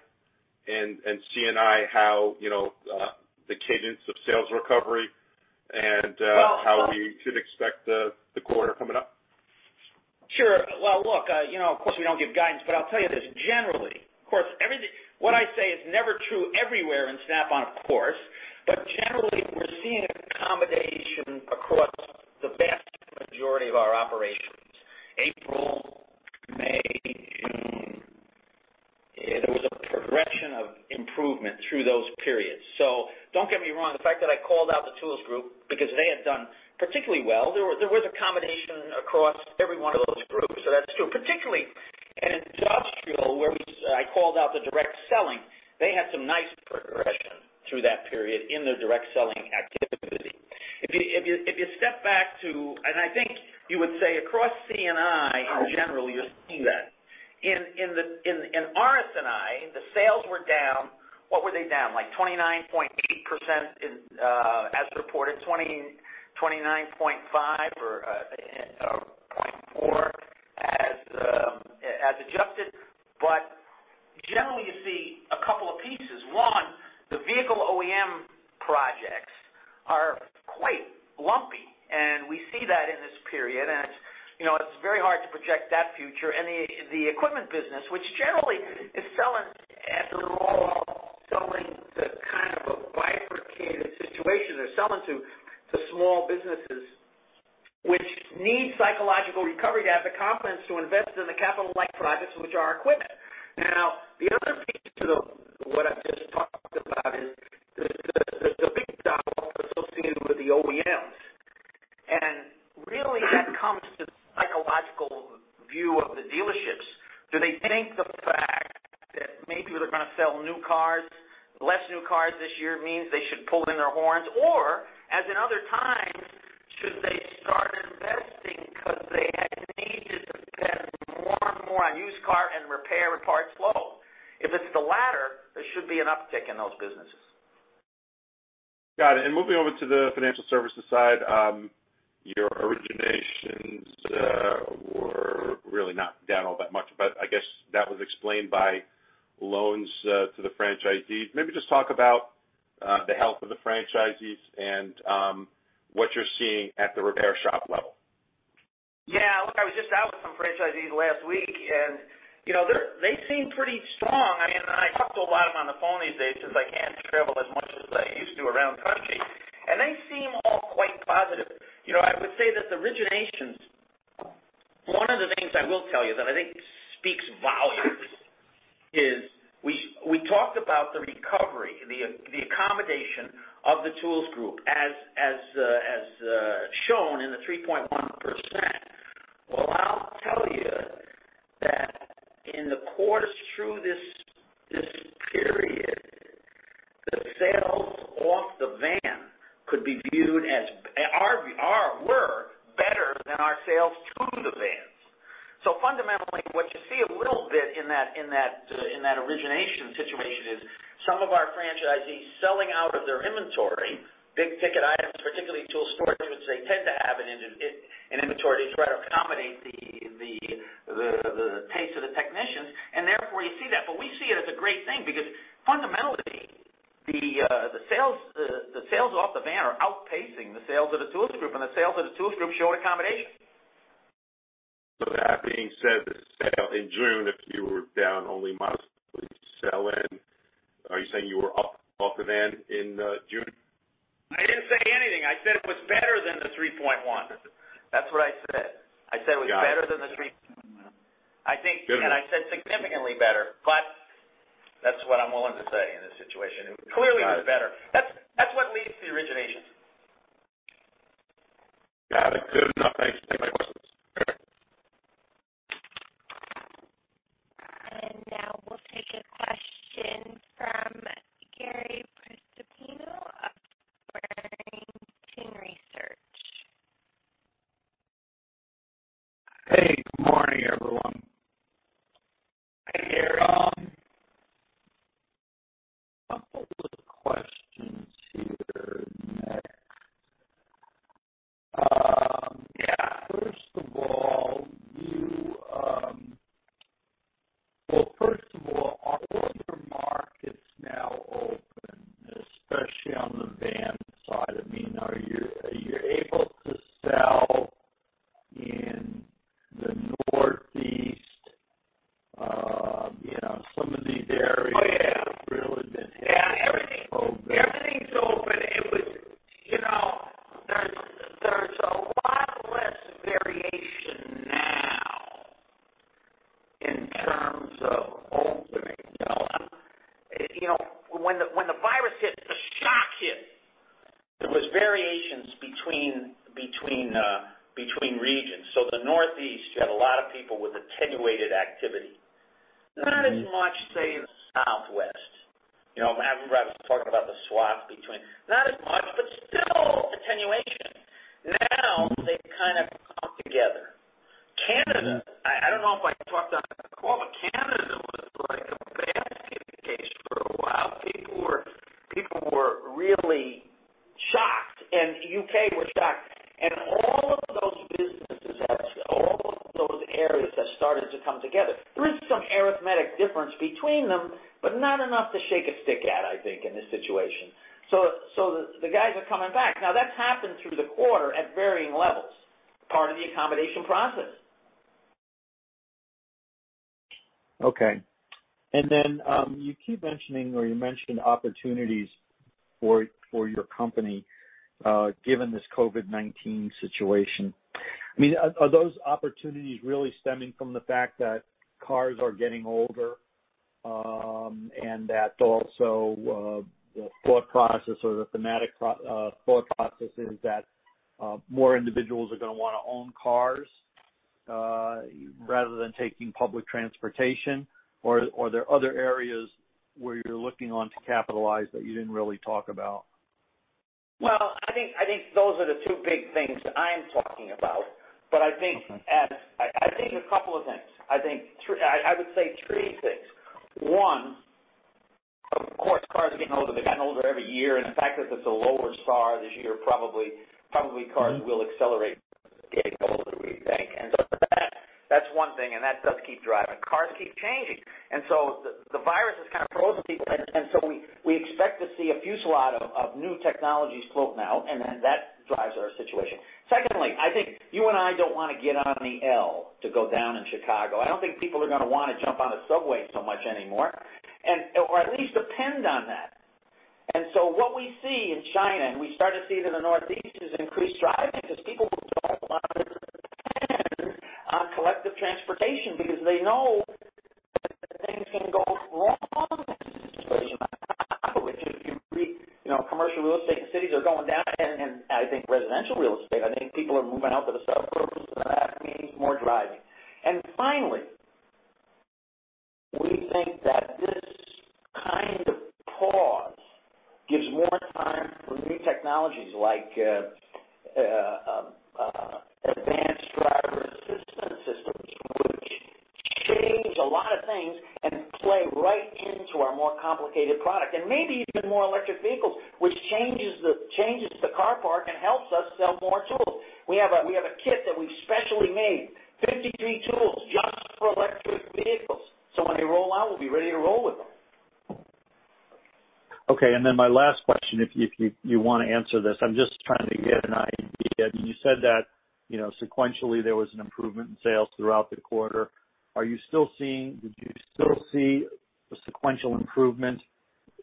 and C&I, how the cadence of sales recovery and how we should expect the quarter coming up. Sure. Of course, we do not give guidance, but I will tell you this generally. Of course, what I say is never true everywhere in Snap-on, of course, but generally, we are seeing accommodation across the vast majority of our operations. April, May, June, there was a progression of improvement through those periods. Do not get me wrong, the fact that I called out the Tools Group because they had done particularly well. There was accommodation across every one of those groups. That is true. Particularly in industrial, where I called out the direct selling, they had some nice progression through that period in their direct selling activity. If you step back to, and I think you would say across C&I in general, you are seeing that. In RS&I, the sales were down. What were they down? Like 29.8% as reported, 29.5% or 29.4% as adjusted. Generally, you see a couple of pieces. One, the vehicle OEM projects are quite lumpy, and we see that in this period. It is very hard to project that future. The equipment business, which generally is selling after all, is selling to kind of a bifurcated situation. They are selling to small businesses, which need psychological recovery to have the confidence to invest in the capital-like projects, which are equipment. The other piece to what I have just talked about is the big doubt associated with the OEMs. Really, that comes to the psychological view of the dealerships. Do they think the fact that maybe they are going to sell new cars, less new cars this year means they should pull in their horns? Or, as in other times, should they start investing because they had needed to spend more and more on used car and repair and parts load? If it's the latter, there should be an uptick in those businesses. Got it. Moving over to the financial services side, your originations were really not down all that much, but I guess that was explained by loans to the franchisees. Maybe just talk about the health of the franchisees and what you're seeing at the repair shop level. Yeah. Look, I was just out with some franchisees last week, and they seem pretty strong. I mean, I talk to a lot of them on the phone these days since I can't travel as much as I used to around the country. And they seem all quite positive. I would say that the originations, one of the things I will tell you that I think speaks volumes is we talked about the recovery, the accommodation of the Tools Group as shown in the 3.1%. I will tell you that in the quarters through this period, the sales off the van could be viewed as were better than our sales to the vans. Fundamentally, what you see a little bit in that origination situation is some of our franchisees selling out of their inventory, big ticket items, particularly tool storage, which they tend to have in inventory to try to accommodate the taste of the technicians. Therefore, you see that. We see it as a great thing because fundamentally, the sales off the van are outpacing the sales of the Tools Group, and the sales of the Tools Group showed accommodation. That being said, in June, if you were down only modestly to sell in, are you saying you were off the van in June? I didn't say anything. I said it was better than the 3.1%. That's what I said. I said it was better than the 3.1%. I said significantly better, but that's what I'm willing to say in this situation. It clearly was better. That is what leads to the originations. Got it. Good enough. Thanks. Thank you for the questions. We will take a question from Gary Prestopino of Barrington Research. Hey, good morning, everyone. Hey, Aaron. A couple of questions here, Nick. Yeah. First of all, are all your markets now open, especially on the van side? I mean, are you able to sell in the Northeast, some of these areas that really did not have any COVID? Yeah. Everything's open. There's a lot less variation now in terms of opening. When the virus hit, the shock hit, there was variation between regions. The Northeast, you had a lot of people with attenuated activity. Not as much, say, in the Southwest. I remember I was talking about the swath between. Not as much, but still attenuation. Now they've kind of come together. Canada, I do not know if I talked on the call, but Canada was like a basket case for a while. People were really shocked, and the U.K. were shocked. All of those businesses, all of those areas have started to come together. There is some arithmetic difference between them, but not enough to shake a stick at, I think, in this situation. The guys are coming back. That's happened through the quarter at varying levels. Part of the accommodation process. Okay. You keep mentioning or you mentioned opportunities for your company given this COVID-19 situation. I mean, are those opportunities really stemming from the fact that cars are getting older and that also the thought process or the thematic thought process is that more individuals are going to want to own cars rather than taking public transportation? Are there other areas where you're looking on to capitalize that you didn't really talk about? I think those are the two big things I'm talking about. I think a couple of things. I would say three things. One, of course, cars are getting older. They're getting older every year. The fact that it's a lower SAAR this year, probably cars will accelerate getting older, we think. That does keep driving. Cars keep changing. The virus has kind of frozen people, and we expect to see a fusillade of new technologies float now, and then that drives our situation. Secondly, I think you and I don't want to get on the L to go down in Chicago. I don't think people are going to want to jump on a subway so much anymore or at least depend on that. What we see in China, and we start to see it in the Northeast, is increased driving because people do not want to depend on collective transportation because they know that things can go wrong in this situation. Commercial real estate in cities is going down, and I think residential real estate. I think people are moving out to the suburbs, and that means more driving. Finally, we think that this kind of pause gives more time for new technologies like advanced driver assistance systems, which change a lot of things and play right into our more complicated product. Maybe even more electric vehicles, which changes the car park and helps us sell more tools. We have a kit that we have specially made, 53 tools just for electric vehicles. When they roll out, we will be ready to roll with them. Okay. And then my last question, if you want to answer this. I'm just trying to get an idea. You said that sequentially there was an improvement in sales throughout the quarter. Are you still seeing, did you still see a sequential improvement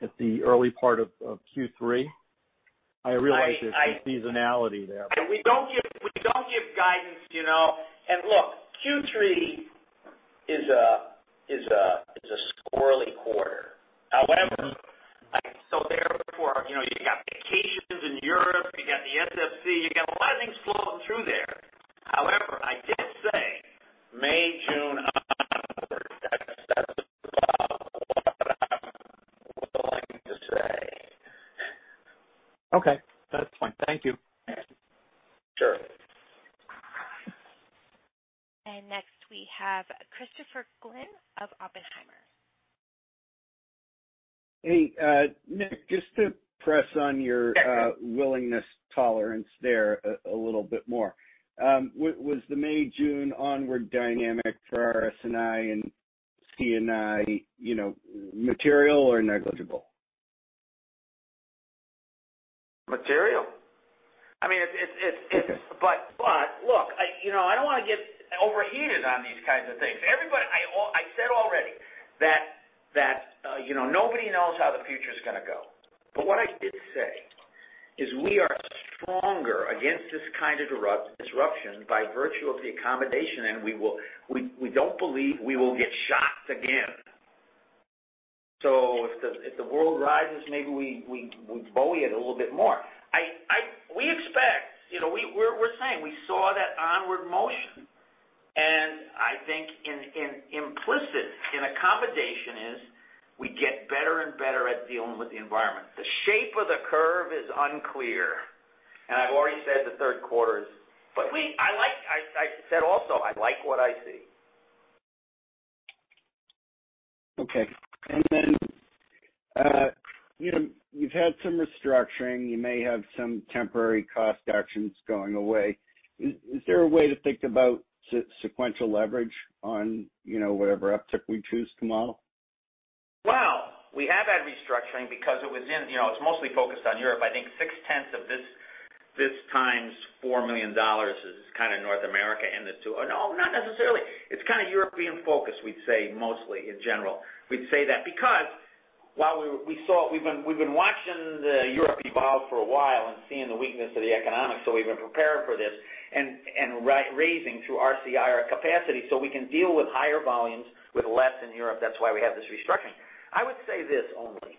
at the early part of Q3? I realize there's seasonality there. We do not give guidance. Q3 is a squirrely quarter. You have vacations in Europe, you have the SEC, you have a lot of things flowing through there. I did say May, June onward. That is about what I am willing to say. Okay. That's fine. Thank you. Sure. Next, we have Christopher Glynn of Oppenheimer. Hey, Nick, just to press on your willingness tolerance there a little bit more. Was the May, June onward dynamic for RS&I and C&I material or negligible? Material. I mean, but look, I do not want to get overheated on these kinds of things. I said already that nobody knows how the future is going to go. But what I did say is we are stronger against this kind of disruption by virtue of the accommodation, and we do not believe we will get shocked again. So if the world rises, maybe we bow you a little bit more. We expect, we are saying we saw that onward motion. And I think implicit in accommodation is we get better and better at dealing with the environment. The shape of the curve is unclear. And I have already said the third quarter is but I said also, I like what I see. Okay. You have had some restructuring. You may have some temporary cost actions going away. Is there a way to think about sequential leverage on whatever uptick we choose tomorrow? We have had restructuring because it was in it's mostly focused on Europe. I think six-tenths of this time's $4 million is kind of North America and the two oh, no, not necessarily. It's kind of European focus, we'd say, mostly in general. We'd say that because while we saw we've been watching the Europe evolve for a while and seeing the weakness of the economy, so we've been preparing for this and raising through RCI our capacity so we can deal with higher volumes with less in Europe. That's why we have this restructuring. I would say this only.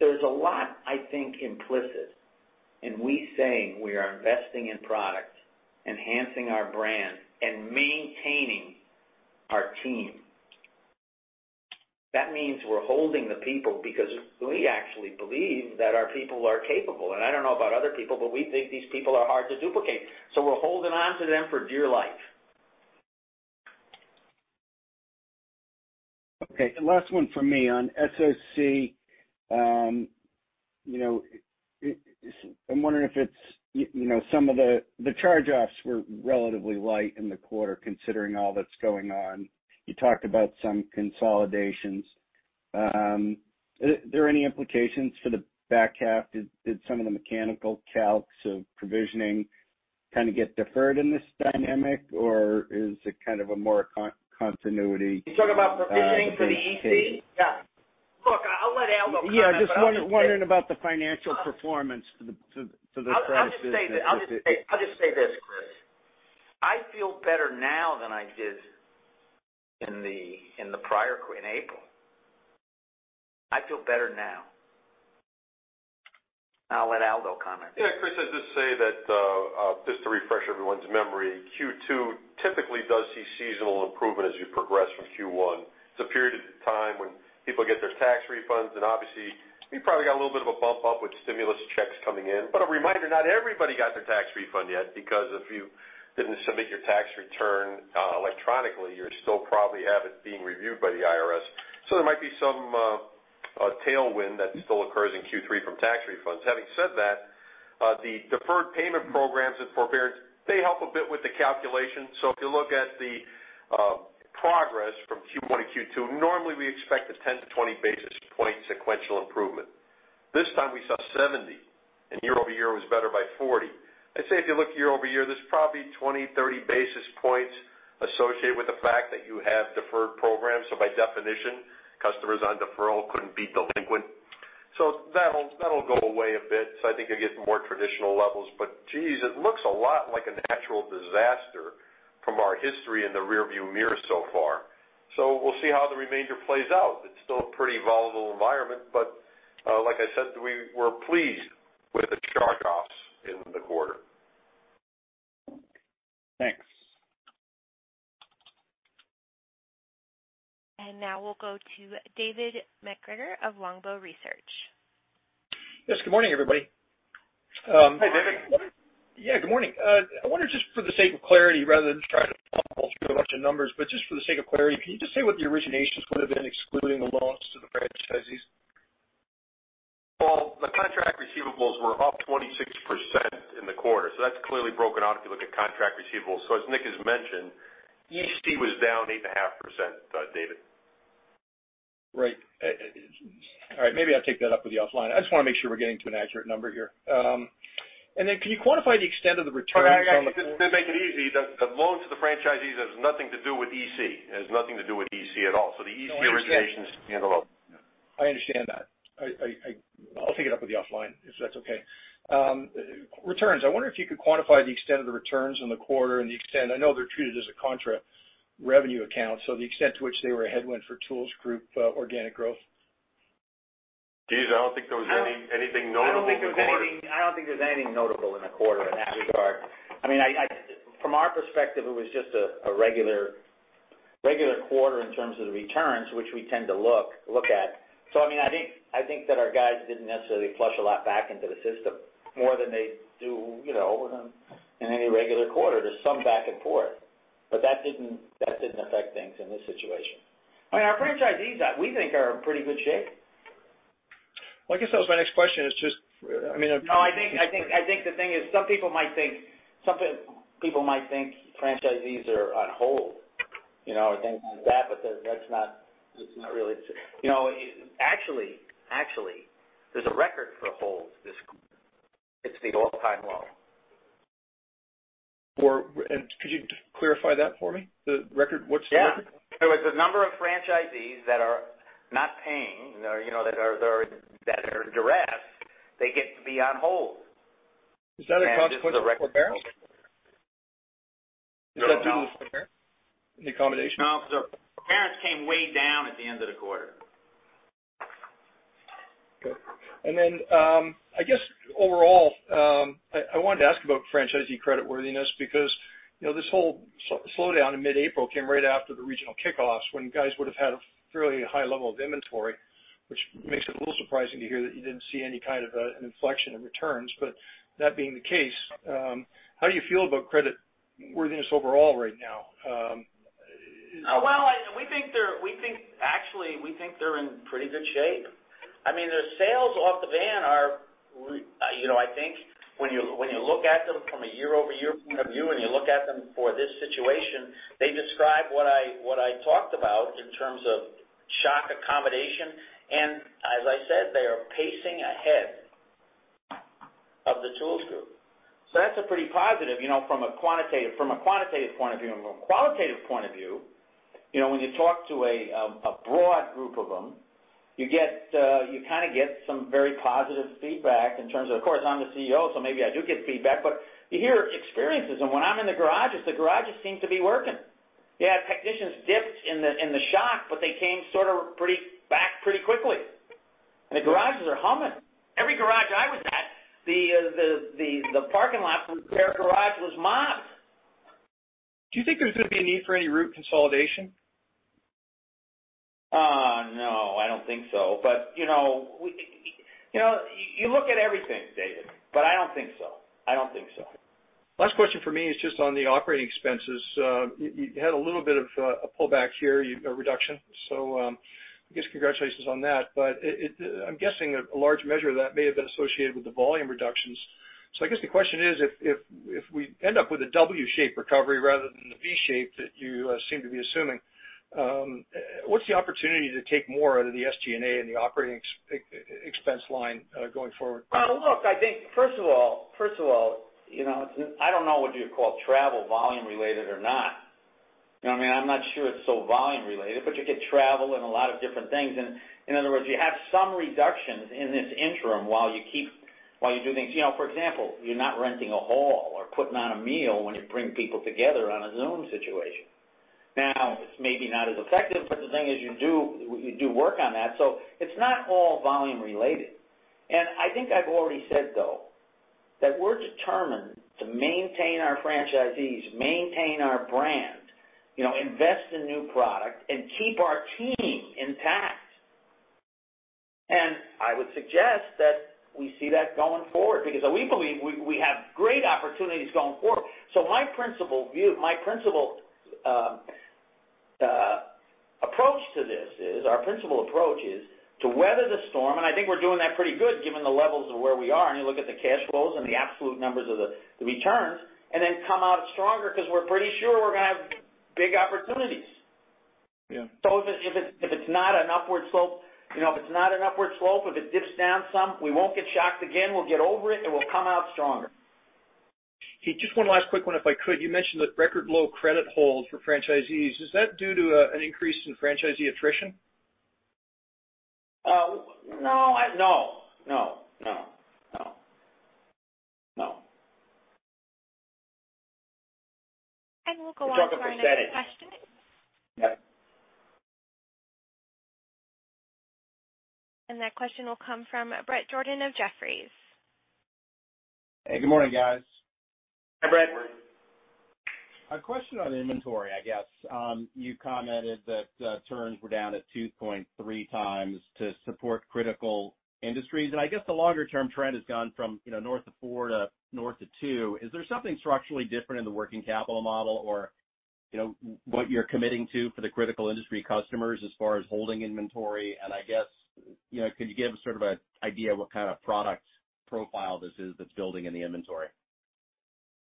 There's a lot, I think, implicit in we saying we are investing in product, enhancing our brand, and maintaining our team. That means we're holding the people because we actually believe that our people are capable. I don't know about other people, but we think these people are hard to duplicate. We are holding on to them for dear life. Okay. Last one from me on SOC. I'm wondering if it's some of the charge-offs were relatively light in the quarter considering all that's going on. You talked about some consolidations. Are there any implications for the back half? Did some of the mechanical calcs of provisioning kind of get deferred in this dynamic, or is it kind of a more continuity? You're talking about provisioning for the EC? Yeah. Look, I'll let Al go first. Yeah. Just wondering about the financial performance for the credit services. I'll just say this, Chris. I feel better now than I did in the prior in April. I feel better now. I'll let Aldo go comment. Yeah. Chris, I'd just say that just to refresh everyone's memory, Q2 typically does see seasonal improvement as you progress from Q1. It's a period of time when people get their tax refunds, and obviously, we probably got a little bit of a bump up with stimulus checks coming in. But a reminder, not everybody got their tax refund yet because if you didn't submit your tax return electronically, you still probably have it being reviewed by the IRS. So there might be some tailwind that still occurs in Q3 from tax refunds. Having said that, the deferred payment programs at forbearance, they help a bit with the calculation. So if you look at the progress from Q1 to Q2, normally we expect a 10 bp to 20 bp sequential improvement. This time, we saw 70 bpss, and year over year it was better by 40 bp. I'd say if you look year over year, there's probably 20 bps, 30 bps associated with the fact that you have deferred programs. So by definition, customers on deferral couldn't be delinquent. That'll go away a bit. I think you'll get more traditional levels. Jeez, it looks a lot like a natural disaster from our history in the rearview mirror so far. We'll see how the remainder plays out. It's still a pretty volatile environment, but like I said, we were pleased with the charge-offs in the quarter. Thanks. We will go to David McGregor of Longbow Research. Yes. Good morning, everybody. Hi, David. Yeah. Good morning. I wonder just for the sake of clarity, rather than trying to pump through a bunch of numbers, but just for the sake of clarity, can you just say what the originations would have been, excluding the loans to the franchisees? The contract receivables were up 26% in the quarter. That is clearly broken out if you look at contract receivables. As Nick has mentioned, EC was down 8.5%, David. Right. All right. Maybe I'll take that up with you offline. I just want to make sure we're getting to an accurate number here. Can you quantify the extent of the returns from the. If you make it easy, the loans to the franchisees have nothing to do with EC. It has nothing to do with EC at all. So the EC originations stand alone. I understand that. I'll take it up with you offline if that's okay. Returns, I wonder if you could quantify the extent of the returns in the quarter and the extent I know they're treated as a contract revenue account, so the extent to which they were a headwind for Tools Group Organic Growth. Jeez, I don't think there was anything notable in the quarter. I do not think there is anything notable in the quarter in that regard. I mean, from our perspective, it was just a regular quarter in terms of the returns, which we tend to look at. I think that our guys did not necessarily flush a lot back into the system more than they do in any regular quarter. There is some back and forth. That did not affect things in this situation. I mean, our franchisees, we think, are in pretty good shape. I guess that was my next question. It's just, I mean. No, I think the thing is some people might think franchisees are on hold or things like that, but that's not really true. Actually, there's a record for holds this quarter. It's the all-time low. Could you clarify that for me? The record, what's the record? Yeah. There was a number of franchisees that are not paying, that are duressed. They get to be on hold. Is that across the quarter? Forbearance. Is that due to the forbearance? No. The forbearance came way down at the end of the quarter. Okay. I guess overall, I wanted to ask about franchisee creditworthiness because this whole slowdown in mid-April came right after the regional kickoffs when guys would have had a fairly high level of inventory, which makes it a little surprising to hear that you didn't see any kind of an inflection in returns. That being the case, how do you feel about creditworthiness overall right now? We think they're actually, we think they're in pretty good shape. I mean, their sales off the van are, I think, when you look at them from a year-over-year point of view and you look at them for this situation, they describe what I talked about in terms of shock accommodation. As I said, they are pacing ahead of the Tools Group. That is a pretty positive from a quantitative point of view. From a qualitative point of view, when you talk to a broad group of them, you kind of get some very positive feedback in terms of, of course, I'm the CEO, so maybe I do get feedback. You hear experiences. When I'm in the garages, the garages seem to be working. Yeah, technicians dipped in the shock, but they came sort of back pretty quickly. The garages are humming. Every garage I was at, the parking lot repair garage was mopped. Do you think there's going to be a need for any route consolidation? Oh, no. I don't think so. You look at everything, David, but I don't think so. Last question for me is just on the operating expenses. You had a little bit of a pullback here, a reduction. I guess congratulations on that. I'm guessing a large measure of that may have been associated with the volume reductions. I guess the question is, if we end up with a W-shaped recovery rather than the V-shaped that you seem to be assuming, what's the opportunity to take more out of the SG&A and the operating expense line going forward? I think, first of all, I don't know what you call travel volume-related or not. I mean, I'm not sure it's so volume-related, but you get travel and a lot of different things. In other words, you have some reductions in this interim while you do things. For example, you're not renting a hall or putting on a meal when you bring people together on a Zoom situation. Now, it's maybe not as effective, but the thing is you do work on that. It's not all volume-related. I think I've already said, though, that we're determined to maintain our franchisees, maintain our brand, invest in new product, and keep our team intact. I would suggest that we see that going forward because we believe we have great opportunities going forward. My principal approach to this is our principal approach is to weather the storm, and I think we're doing that pretty good given the levels of where we are. You look at the cash flows and the absolute numbers of the returns and then come out stronger because we're pretty sure we're going to have big opportunities. If it's not an upward slope, if it's not an upward slope, if it dips down some, we won't get shocked again. We'll get over it, and we'll come out stronger. Hey, just one last quick one if I could. You mentioned the record low credit holds for franchisees. Is that due to an increase in franchisee attrition? No. We will go on to our next question. You're talking from FedEx? Yep. That question will come from Bret Jordan of Jefferies. Hey. Good morning, guys. Hi, Bret. A question on inventory, I guess. You commented that turns were down at 2.3 times to support critical industries. I guess the longer-term trend has gone from north of four to north of two. Is there something structurally different in the working capital model or what you're committing to for the critical industry customers as far as holding inventory? I guess, could you give sort of an idea of what kind of product profile this is that's building in the inventory?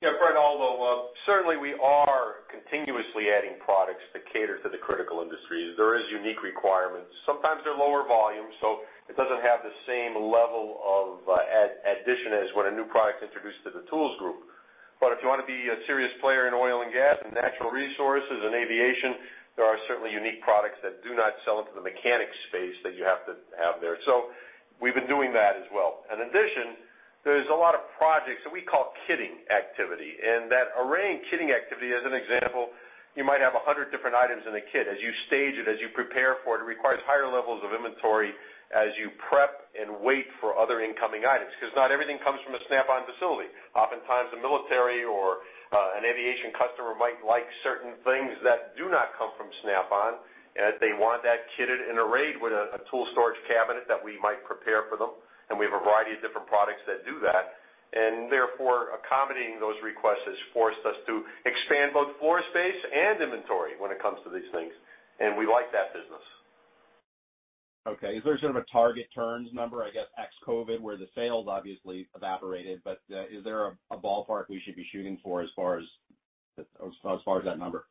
Yeah. Bret, Aldo, certainly we are continuously adding products that cater to the critical industries. There are unique requirements. Sometimes they're lower volume, so it doesn't have the same level of addition as when a new product's introduced to the Tools Group. If you want to be a serious player in oil and gas and natural resources and aviation, there are certainly unique products that do not sell into the mechanics space that you have to have there. We have been doing that as well. In addition, there's a lot of projects that we call kitting activity. That arraying kitting activity, as an example, you might have 100 different items in a kit. As you stage it, as you prepare for it, it requires higher levels of inventory as you prep and wait for other incoming items because not everything comes from a Snap-on facility. Oftentimes, a military or an aviation customer might like certain things that do not come from Snap-on, and they want that kitted and arrayed with a tool storage cabinet that we might prepare for them. We have a variety of different products that do that. Therefore, accommodating those requests has forced us to expand both floor space and inventory when it comes to these things. We like that business. Okay. Is there sort of a target turns number, I guess, ex-COVID, where the sales obviously evaporated? Is there a ballpark we should be shooting for as far as that number?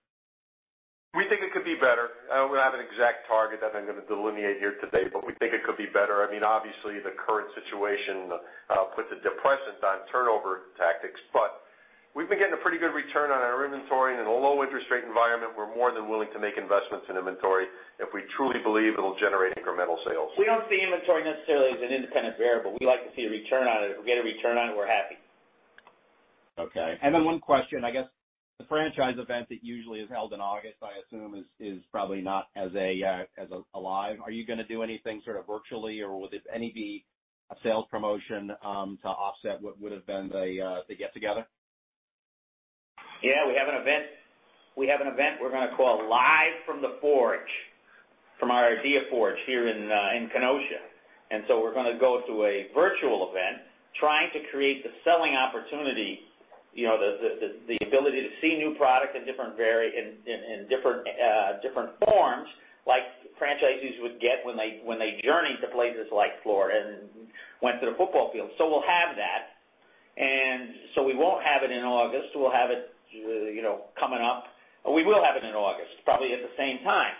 We think it could be better. I don't have an exact target that I'm going to delineate here today, but we think it could be better. I mean, obviously, the current situation puts a depressant on turnover tactics. However, we've been getting a pretty good return on our inventory in a low interest rate environment. We're more than willing to make investments in inventory if we truly believe it'll generate incremental sales. We do not see inventory necessarily as an independent variable. We like to see a return on it. If we get a return on it, we are happy. Okay. And then one question, I guess, the franchise event that usually is held in August, I assume, is probably not as live. Are you going to do anything sort of virtually, or would there any be a sales promotion to offset what would have been the get-together? Yeah. We have an event. We have an event we're going to call Live from the Forge, from our ideaForge here in Kenosha. We're going to go to a virtual event trying to create the selling opportunity, the ability to see new products in different forms like franchisees would get when they journeyed to places like Florida and went to the football field. We'll have that. We won't have it in August. We'll have it coming up. We will have it in August, probably at the same time.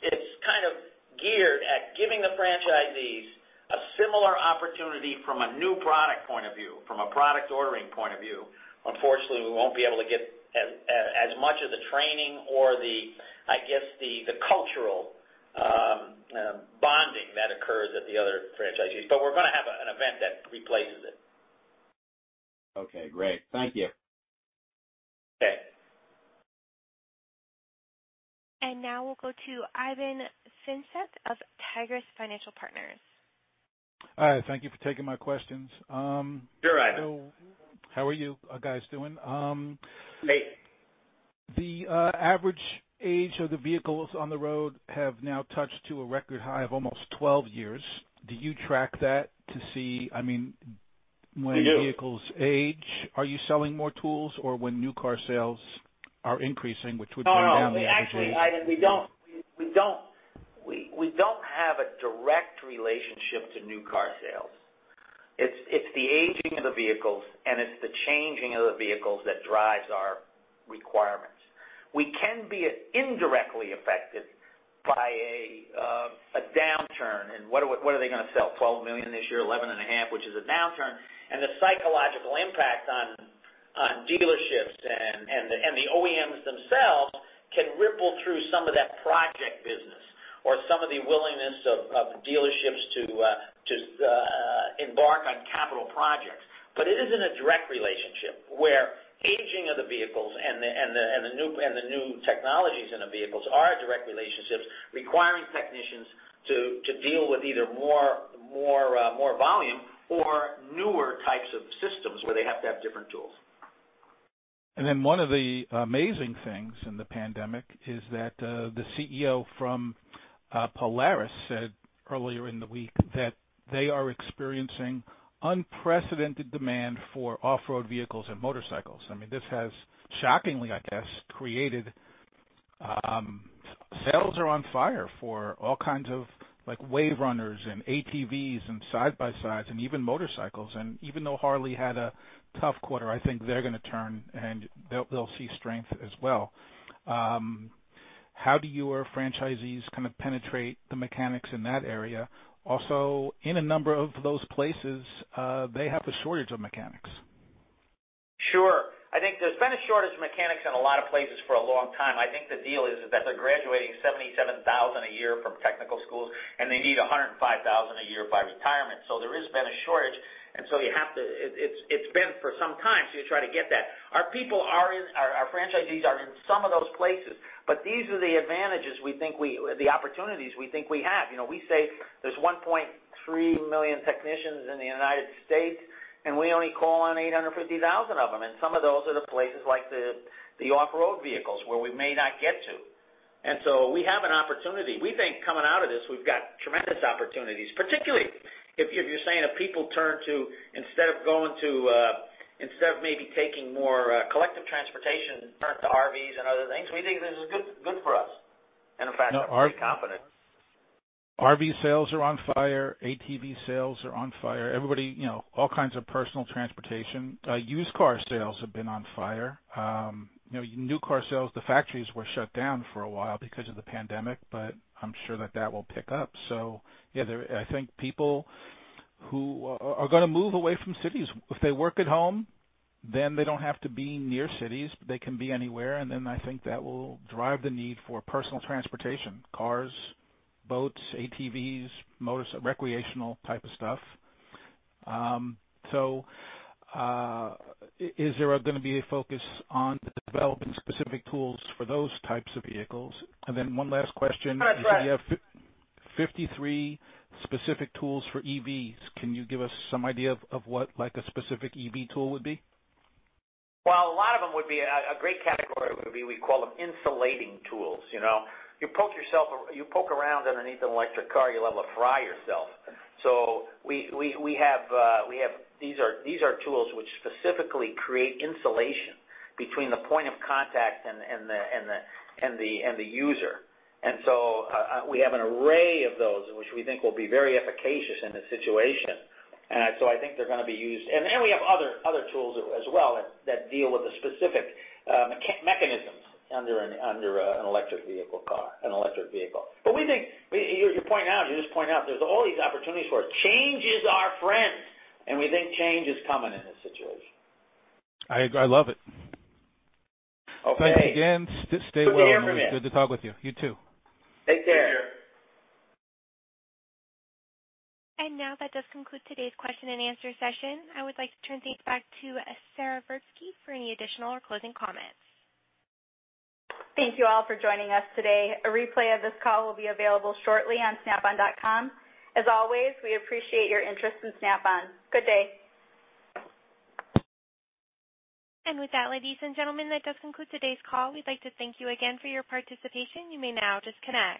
It's kind of geared at giving the franchisees a similar opportunity from a new product point of view, from a product ordering point of view. Unfortunately, we won't be able to get as much of the training or, I guess, the cultural bonding that occurs at the other franchisees. We are going to have an event that replaces it. Okay. Great. Thank you. Okay. Now we'll go to Ivan Feinseth of Tigress Financial Partners. Hi. Thank you for taking my questions. Sure, Ivan. How are you guys doing? Great. The average age of the vehicles on the road have now touched a record high of almost 12 years. Do you track that to see? I mean, when vehicles age, are you selling more tools or when new car sales are increasing, which would come down the average rate? Oh, no. Actually, Ivan, we don't have a direct relationship to new car sales. It's the aging of the vehicles, and it's the changing of the vehicles that drives our requirements. We can be indirectly affected by a downturn. What are they going to sell? 12 million this year, 11.5 million, which is a downturn. The psychological impact on dealerships and the OEMs themselves can ripple through some of that project business or some of the willingness of dealerships to embark on capital projects. It isn't a direct relationship where aging of the vehicles and the new technologies in the vehicles are a direct relationship requiring technicians to deal with either more volume or newer types of systems where they have to have different tools. One of the amazing things in the pandemic is that the CEO from Polaris said earlier in the week that they are experiencing unprecedented demand for off-road vehicles and motorcycles. I mean, this has shockingly, I guess, created sales are on fire for all kinds of wave runners and ATVs and side-by-sides and even motorcycles. Even though Harley-Davidson had a tough quarter, I think they are going to turn and they will see strength as well. How do your franchisees kind of penetrate the mechanics in that area? Also, in a number of those places, they have a shortage of mechanics. Sure. I think there's been a shortage of mechanics in a lot of places for a long time. I think the deal is that they're graduating 77,000 a year from technical schools, and they need 105,000 a year by retirement. There has been a shortage. You have to, it's been for some time, so you try to get that. Our franchisees are in some of those places, but these are the advantages we think, the opportunities we think we have. We say there's 1.3 million technicians in the U.S., and we only call on 850,000 of them. Some of those are the places like the off-road vehicles where we may not get to. We have an opportunity. We think coming out of this, we've got tremendous opportunities, particularly if you're saying if people turn to instead of going to instead of maybe taking more collective transportation, turn to RVs and other things. We think this is good for us. In fact, we're pretty confident. RV sales are on fire. ATV sales are on fire. All kinds of personal transportation. Used car sales have been on fire. New car sales, the factories were shut down for a while because of the pandemic, but I'm sure that that will pick up. I think people who are going to move away from cities, if they work at home, then they don't have to be near cities. They can be anywhere. I think that will drive the need for personal transportation: cars, boats, ATVs, recreational type of stuff. Is there going to be a focus on developing specific tools for those types of vehicles? One last question. I'm going to try. 53 specific tools for EVs. Can you give us some idea of what a specific EV tool would be? A lot of them would be a great category we call insulating tools. You poke yourself, you poke around underneath an electric car, you'll fry yourself. These are tools which specifically create insulation between the point of contact and the user. We have an array of those which we think will be very efficacious in this situation. I think they're going to be used. We have other tools as well that deal with the specific mechanisms under an electric vehicle car, an electric vehicle. We think your point now, you just point out, there's all these opportunities for us. Change is our friend, and we think change is coming in this situation. I love it. Okay. Thanks again. Stay well. Good to hear from you. Good to talk with you. You too. Take care. That does conclude today's question and answer session. I would like to turn things back to Sara Verbisky for any additional or closing comments. Thank you all for joining us today. A replay of this call will be available shortly on Snap-on.com. As always, we appreciate your interest in Snap-on. Good day. With that, ladies and gentlemen, that does conclude today's call. We'd like to thank you again for your participation. You may now disconnect.